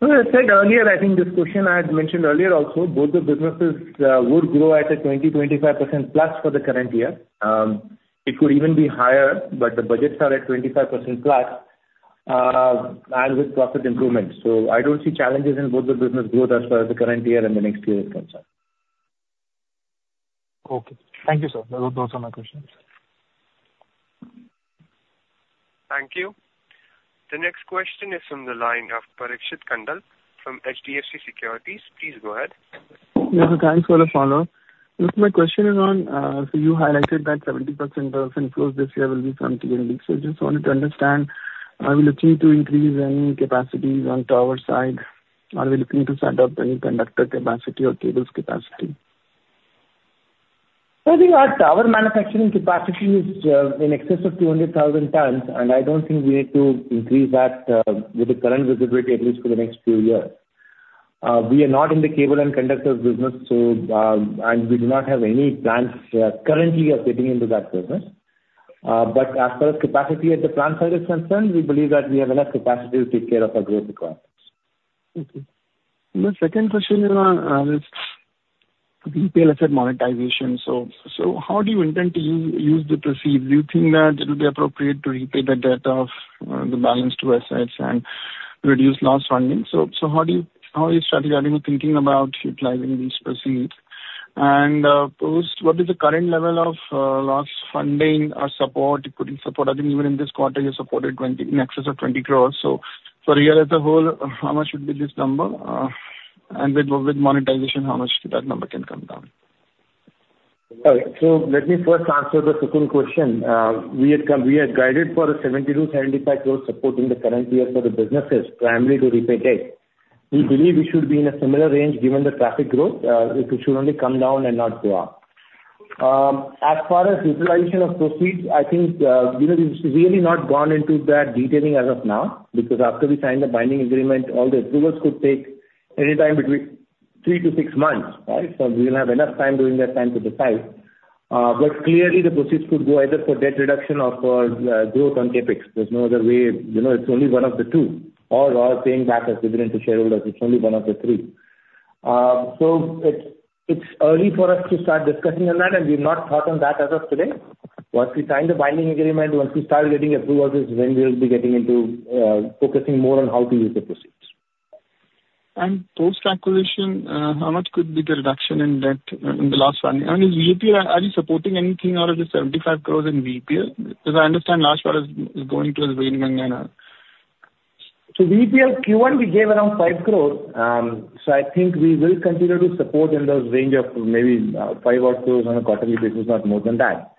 So I said earlier, I think this question I had mentioned earlier also, both the businesses would grow at a 20%-25%+ for the current year. It could even be higher, but the budgets are at 25%+, and with profit improvements. So I don't see challenges in both the business growth as far as the current year and the next year is concerned. Okay. Thank you, sir. Those are my questions. Thank you. The next question is from the line of Parikshit Kandpal from HDFC Securities. Please go ahead. Yeah, thanks for the follow. Look, my question is on, so you highlighted that 70% of inflows this year will be from... So I just wanted to understand, are we looking to increase any capacities on tower side? Are we looking to set up any conductor capacity or cables capacity? ... So I think our manufacturing capacity is in excess of 200,000 tons, and I don't think we need to increase that with the current visibility, at least for the next few years. We are not in the cable and conductors business, so, and we do not have any plans currently of getting into that business. But as far as capacity at the plant side is concerned, we believe that we have enough capacity to take care of our growth requirements. Okay. My second question is VEPL asset monetization. So how do you intend to use the proceeds? Do you think that it will be appropriate to repay the debt of the balance to assets and reduce loss funding? So how are you strategically thinking about utilizing these proceeds? And post, what is the current level of loss funding or support, putting support? I think even in this quarter, you supported 20, in excess of 20 crores. So for a year as a whole, how much would be this number? And with monetization, how much that number can come down? Let me first answer the second question. We had guided for 70-75 crores support in the current year for the businesses, primarily to repay debt. We believe we should be in a similar range, given the traffic growth. It should only come down and not go up. As far as utilization of proceeds, I think, we have really not gone into that detailing as of now, because after we sign the binding agreement, all the approvals could take any time between three to six months, right? So we will have enough time during that time to decide. Clearly, the proceeds could go either for debt reduction or for growth on CapEx. There's no other way, you know, it's only one of the two, or paying back as dividend to shareholders. It's only one of the three. So it's, it's early for us to start discussing on that, and we've not thought on that as of today. Once we sign the binding agreement, once we start getting approvals, is when we'll be getting into, focusing more on how to use the proceeds. Post-acquisition, how much could be the reduction in debt in the last funding? I mean, is VEPL, are you supporting anything out of the 75 crores in VEPL? Because I understand large part is going to the railway line now. So VEPL Q1, we gave around 5 crores. So I think we will continue to support in the range of maybe, five odd crores on a quarterly basis, not more than that,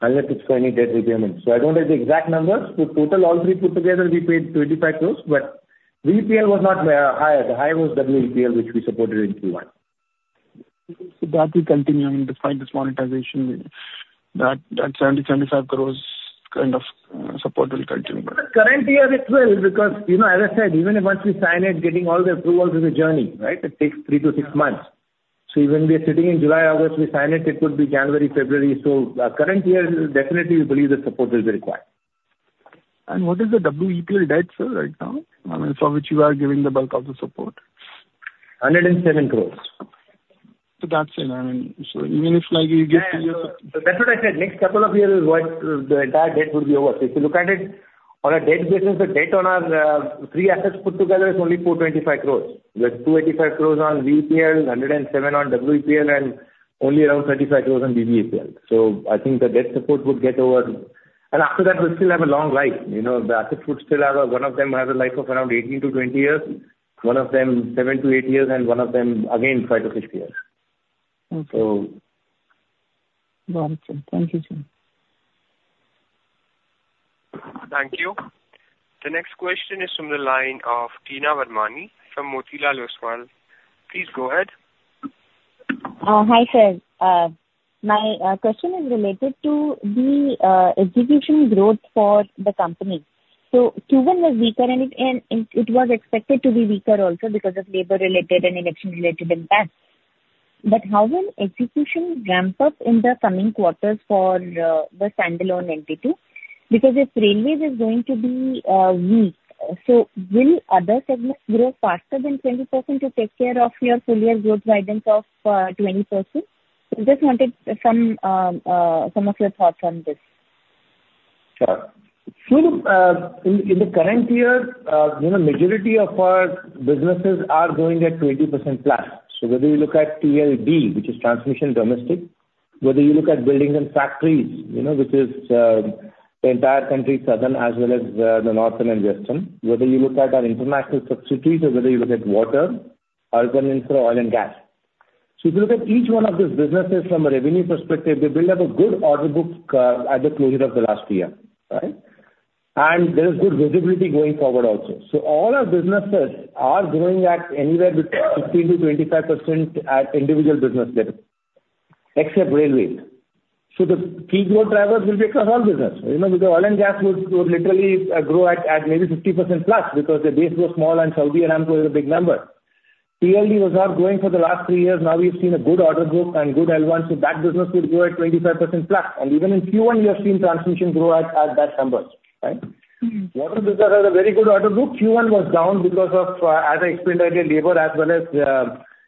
unless it's for any debt repayment. So I don't have the exact numbers. So total, all three put together, we paid 25 crores, but VEPL was not the highest. The highest was WEPL, which we supported in Q1. So that will continue, I mean, despite this monetization, that 75 crores kind of support will continue? Currently, yes, it will, because, you know, as I said, even once we sign it, getting all the approvals is a journey, right? It takes three to six months. So even we are sitting in July, August, we sign it, it could be January, February. So the current year, definitely we believe the support will be required. What is the WEPL debt, sir, right now, I mean, for which you are giving the bulk of the support? 107 crores. That's it. I mean, so even if like you get- Yeah, that's what I said. Next couple of years is what the entire debt will be over. If you look at it on a debt basis, the debt on our three assets put together is only 425 crores, with 285 crores on VEPL, 107 on WEPL, and only around 35 crores on BBEPL. So I think the debt support would get over. And after that, we still have a long life. You know, the assets would still have a, one of them has a life of around 18-20 years, one of them seven to eight years, and one of them, again, five to six years. Okay. So. Got it, sir. Thank you, sir. Thank you. The next question is from the line of Teena Virmani from Motilal Oswal. Please go ahead. Hi, sir. My question is related to the execution growth for the company. So Q1 was weaker and it was expected to be weaker also because of labor-related and election-related impacts. But how will execution ramp up in the coming quarters for the standalone entity? Because if railway is going to be weak, so will other segments grow faster than 20% to take care of your full year growth guidance of 20%? I just wanted some of your thoughts on this. Sure. So, in the current year, you know, majority of our businesses are growing at 20%+. So whether you look at T&D, which is transmission domestic, whether you look at Buildings & Factories, you know, which is the entire country, southern as well as the northern and western, whether you look at our international substations or whether you look at water or even infra oil and gas. So if you look at each one of these businesses from a revenue perspective, they build up a good order book at the closure of the last year, right? And there is good visibility going forward also. So all our businesses are growing at anywhere between 15%-25% at individual business level, except railways. So the key growth drivers will be across all business. You know, because oil and gas would, would literally grow at, at maybe 50%+, because the base was small and Saudi Aramco is a big number. T&D was not growing for the last three years. Now we've seen a good order book and good L1, so that business will grow at 25%+. And even in Q1, we have seen transmission grow at, at that numbers, right? Mm-hmm. One of them has a very good order book. Q1 was down because of, as I explained earlier, labor as well as,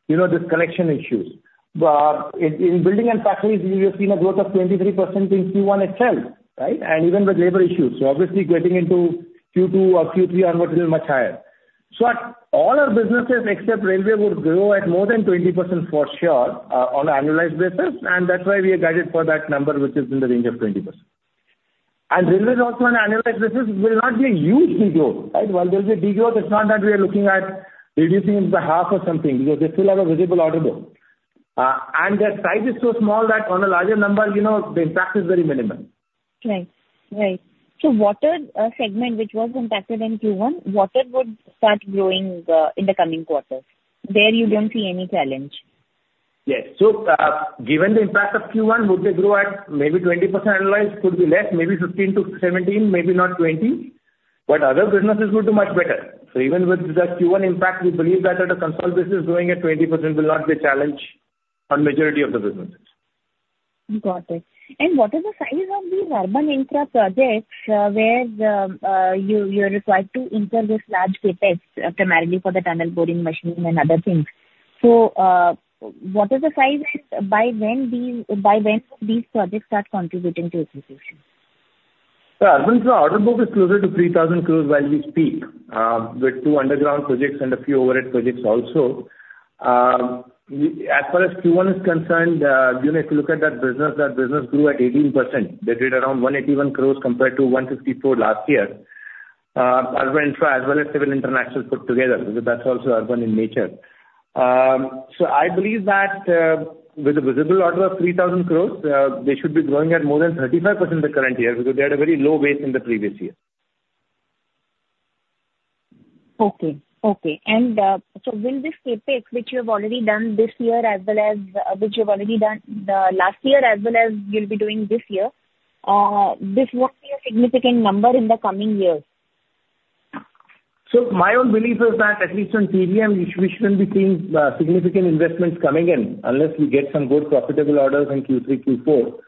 you know, disconnection issues. But in, in building and factories, we have seen a growth of 23% in Q1 itself, right? And even with labor issues. So obviously, getting into Q2 or Q3, our numbers will be much higher. So at all our businesses, except railway, would grow at more than 20% for sure, on an annualized basis, and that's why we have guided for that number, which is in the range of 20%. And railways also on an annualized basis, will not be a huge de-growth, right? While there'll be a de-growth, it's not that we are looking at reducing into half or something, because they still have a visible order book. And the size is so small that on a larger number, you know, the impact is very minimal.... Right, right. So water, segment, which was impacted in Q1, water would start growing, in the coming quarters. There you don't see any challenge? Yes. So, given the impact of Q1, would they grow at maybe 20% annualized, could be less, maybe 15%-17%, maybe not 20%, but other businesses will do much better. So even with the Q1 impact, we believe that the overall business, growing at 20% will not be a challenge for the majority of the businesses. Got it. And what are the size of the urban infra projects, where, you, you are required to enter this large CapEx, primarily for the tunnel boring machine and other things? So, what are the sizes, by when these, by when could these projects start contributing to execution? Yeah, urban, so order book is closer to 3,000 crores while we speak, with two underground projects and a few overhead projects also. As far as Q1 is concerned, if you may look at that business, that business grew at 18%. They did around 181 crores compared to 154 crores last year. Urban infra as well as civil international put together, because that's also urban in nature. So I believe that, with a visible order of 3,000 crores, they should be growing at more than 35% the current year, because they had a very low base in the previous year. Okay. Okay. And, so will this CapEx, which you have already done this year, as well as, which you've already done the last year, as well as you'll be doing this year, this won't be a significant number in the coming years? So my own belief is that at least on TBM, we, we shouldn't be seeing significant investments coming in, unless we get some good profitable orders in Q3, Q4.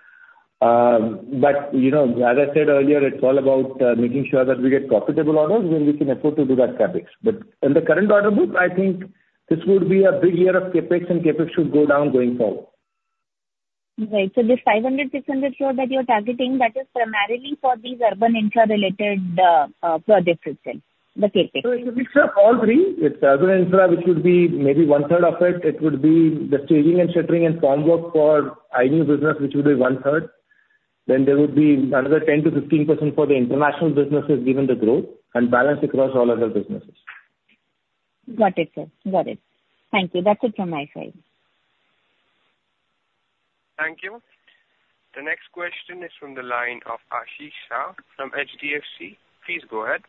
But, you know, as I said earlier, it's all about making sure that we get profitable orders, then we can afford to do that CapEx. But in the current order book, I think this would be a big year of CapEx, and CapEx should go down going forward. Right. So this 500-600 crores that you're targeting, that is primarily for these urban infra-related projects itself, the CapEx? So it's a mix of all three. It's urban infra, which would be maybe one third of it. It would be the staging and shuttering and formwork for business, which would be one third. Then there would be another 10%-15% for the international businesses, given the growth and balance across all other businesses. Got it, sir. Got it. Thank you. That's it from my side. Thank you. The next question is from the line of Ashish Shah from HDFC. Please go ahead.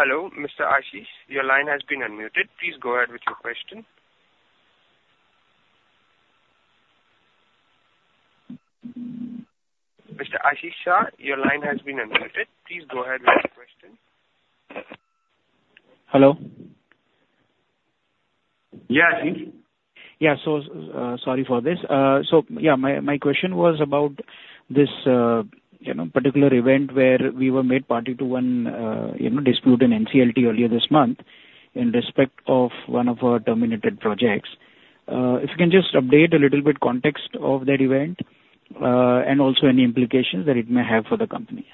Hello, Mr. Ashish. Your line has been unmuted. Please go ahead with your question. Mr. Ashish Shah, your line has been unmuted. Please go ahead with your question. Hello? Yeah, Ashish. Yeah, so, sorry for this. So, yeah, my, my question was about this, you know, particular event where we were made party to one, you know, dispute in NCLT earlier this month, in respect of one of our terminated projects. If you can just update a little bit context of that event, and also any implications that it may have for the company.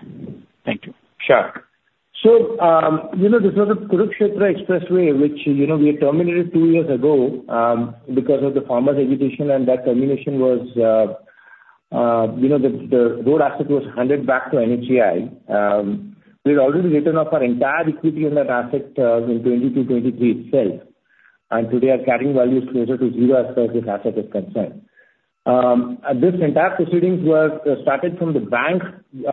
Thank you. Sure. So, you know, this was a Kurukshetra Expressway, which, you know, we terminated two years ago, because of the farmers' agitation, and that termination was, you know, the road asset was handed back to NHAI. We had already written off our entire equity on that asset, in 2022, 2023 itself, and today our carrying value is closer to zero as far as this asset is concerned. This entire proceedings were started from the bank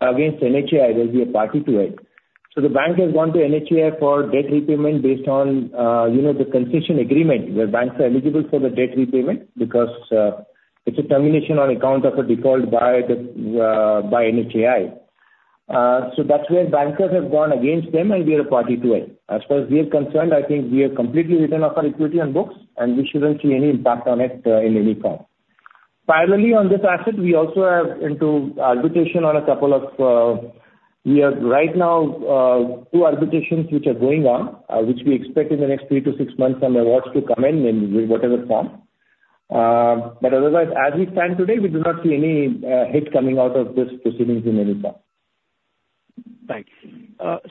against NHAI, where we are party to it. So the bank has gone to NHAI for debt repayment based on, you know, the concession agreement, where banks are eligible for the debt repayment because, it's a termination on account of a default by the, by NHAI. So that's where bankers have gone against them, and we are a party to it. As far as we are concerned, I think we have completely written off our equity on books, and we shouldn't see any impact on it in any form. Finally, on this asset, we also are into arbitration on a couple of... We have right now two arbitrations which are going on, which we expect in the next three to six months some awards to come in, in whatever form. But otherwise, as we stand today, we do not see any hit coming out of this proceedings in any form. Thanks.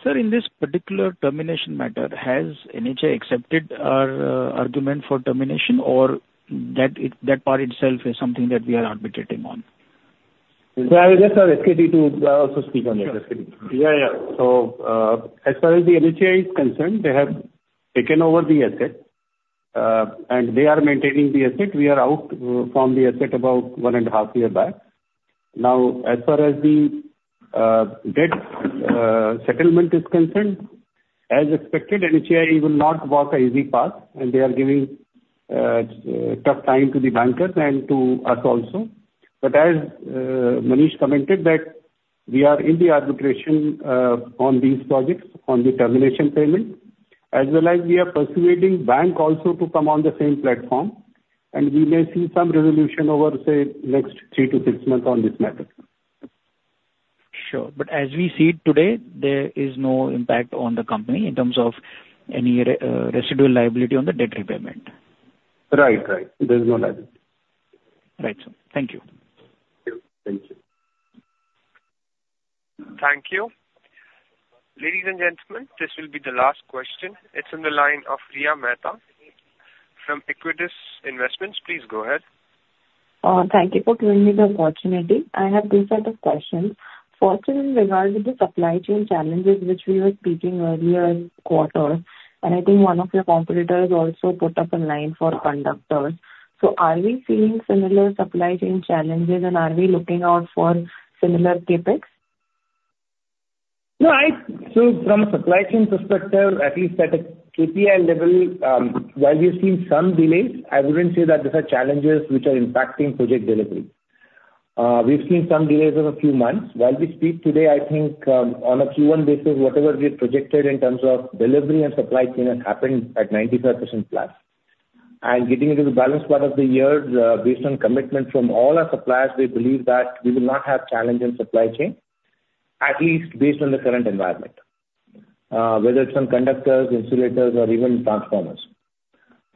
Sir, in this particular termination matter, has NHAI accepted our argument for termination or that part itself is something that we are arbitrating on? I'll just ask S.K. Tripathi to also speak on this. Yeah, yeah. So, as far as the NHAI is concerned, they have taken over the asset, and they are maintaining the asset. We are out from the asset about 1.5 years back. Now, as far as the debt settlement is concerned, as expected, NHAI will not walk an easy path, and they are giving tough time to the bankers and to us also. But as Manish commented, that we are in the arbitration on these projects, on the termination payment, as well as we are persuading bank also to come on the same platform, and we may see some resolution over, say, next three to six months on this matter. Sure. But as we see it today, there is no impact on the company in terms of any residual liability on the debt repayment? Right. Right. There's no liability. Right, sir. Thank you. Thank you. Thank you. Ladies and gentlemen, this will be the last question. It's on the line of Riya Mehta from Aequitas Investments. Please go ahead. Thank you for giving me the opportunity. I have two set of questions. First, in regard to the supply chain challenges, which we were speaking earlier in quarter, and I think one of your competitors also put up a line for conductors. So are we seeing similar supply chain challenges, and are we looking out for similar CapEx? No, so from a supply chain perspective, at least at a KPI level, while we've seen some delays, I wouldn't say that these are challenges which are impacting project delivery. We've seen some delays of a few months. While we speak today, I think, on a Q1 basis, whatever we had projected in terms of delivery and supply chain has happened at 95%+. And getting into the balance part of the year, based on commitment from all our suppliers, we believe that we will not have challenge in supply chain, at least based on the current environment, whether it's from conductors, insulators or even transformers.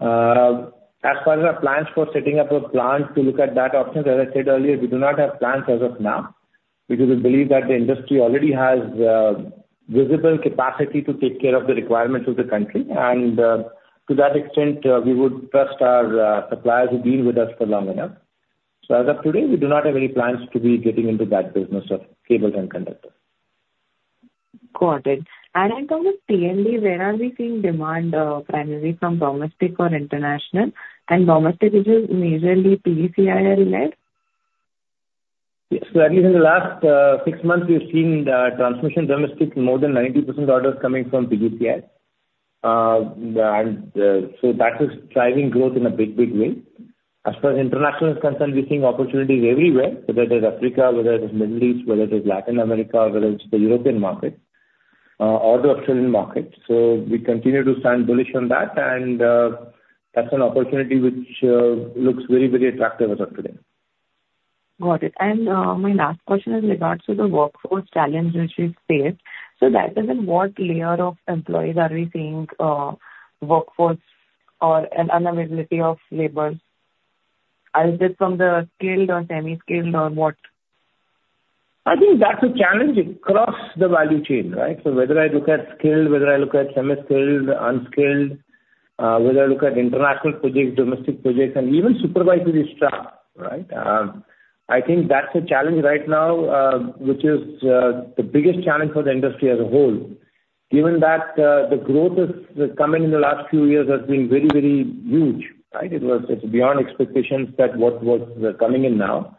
As far as our plans for setting up a plant, to look at that option, as I said earlier, we do not have plans as of now, because we believe that the industry already has visible capacity to take care of the requirements of the country. And, to that extent, we would trust our suppliers who deal with us for long enough. So as of today, we do not have any plans to be getting into that business of cables and conductors. Got it. And in terms of P&L, where are we seeing demand, primarily from domestic or international? And domestic, is it majorly PGCIL-led? Yes. So at least in the last six months, we've seen the transmission domestic, more than 90% orders coming from PGCIL. The, and, so that is driving growth in a big, big way. As far as international is concerned, we're seeing opportunities everywhere, whether it is Africa, whether it is Middle East, whether it is Latin America, whether it's the European market, or the Australian market. So we continue to stand bullish on that, and, that's an opportunity which looks very, very attractive as of today. Got it. And, my last question is regards to the workforce challenge which you've faced. So that is, in what layer of employees are we seeing, workforce or an unavailability of labor? Is this from the skilled or semi-skilled or what? I think that's a challenge across the value chain, right? So whether I look at skilled, whether I look at semi-skilled, unskilled, whether I look at international projects, domestic projects, and even supervisory staff, right? I think that's a challenge right now, which is, the biggest challenge for the industry as a whole. Given that, the growth is, coming in the last few years has been very, very huge, right? It was, it's beyond expectations that what, what is coming in now.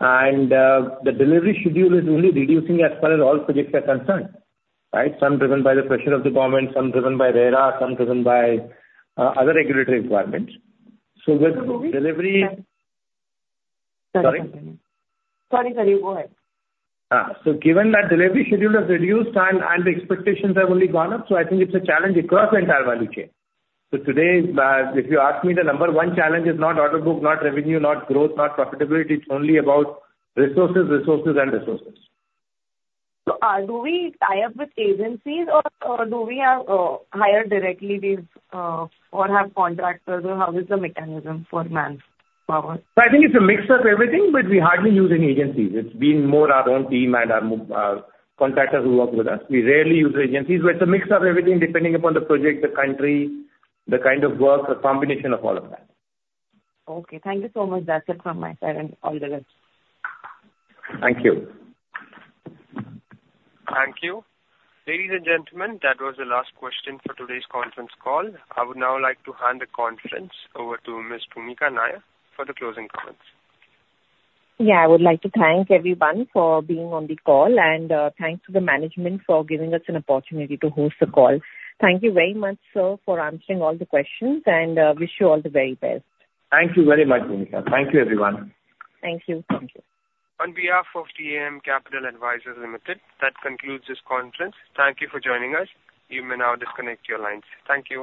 And, the delivery schedule is only reducing as far as all projects are concerned, right? Some driven by the pressure of the government, some driven by RERA, some driven by, other regulatory requirements. So with- So do we- Delivery... Sorry? Sorry, sorry, go ahead. So given that delivery schedule has reduced and the expectations have only gone up, so I think it's a challenge across the entire value chain. So today, if you ask me, the number one challenge is not order book, not revenue, not growth, not profitability. It's only about resources, resources and resources. Do we tie up with agencies or do we hire directly with or have contractors, or how is the mechanism for manpower? So I think it's a mix of everything, but we hardly use any agencies. It's been more our own team and our contractors who work with us. We rarely use agencies, but it's a mix of everything, depending upon the project, the country, the kind of work, a combination of all of that. Okay. Thank you so much. That's it from my side, and all the best. Thank you. Thank you. Ladies and gentlemen, that was the last question for today's conference call. I would now like to hand the conference over to Ms. Bhoomika Nair for the closing comments. Yeah, I would like to thank everyone for being on the call, and thanks to the management for giving us an opportunity to host the call. Thank you very much, sir, for answering all the questions, and wish you all the very best. Thank you very much, Bhoomika. Thank you, everyone. Thank you. On behalf of DAM Capital Advisors Limited, that concludes this conference. Thank you for joining us. You may now disconnect your lines. Thank you.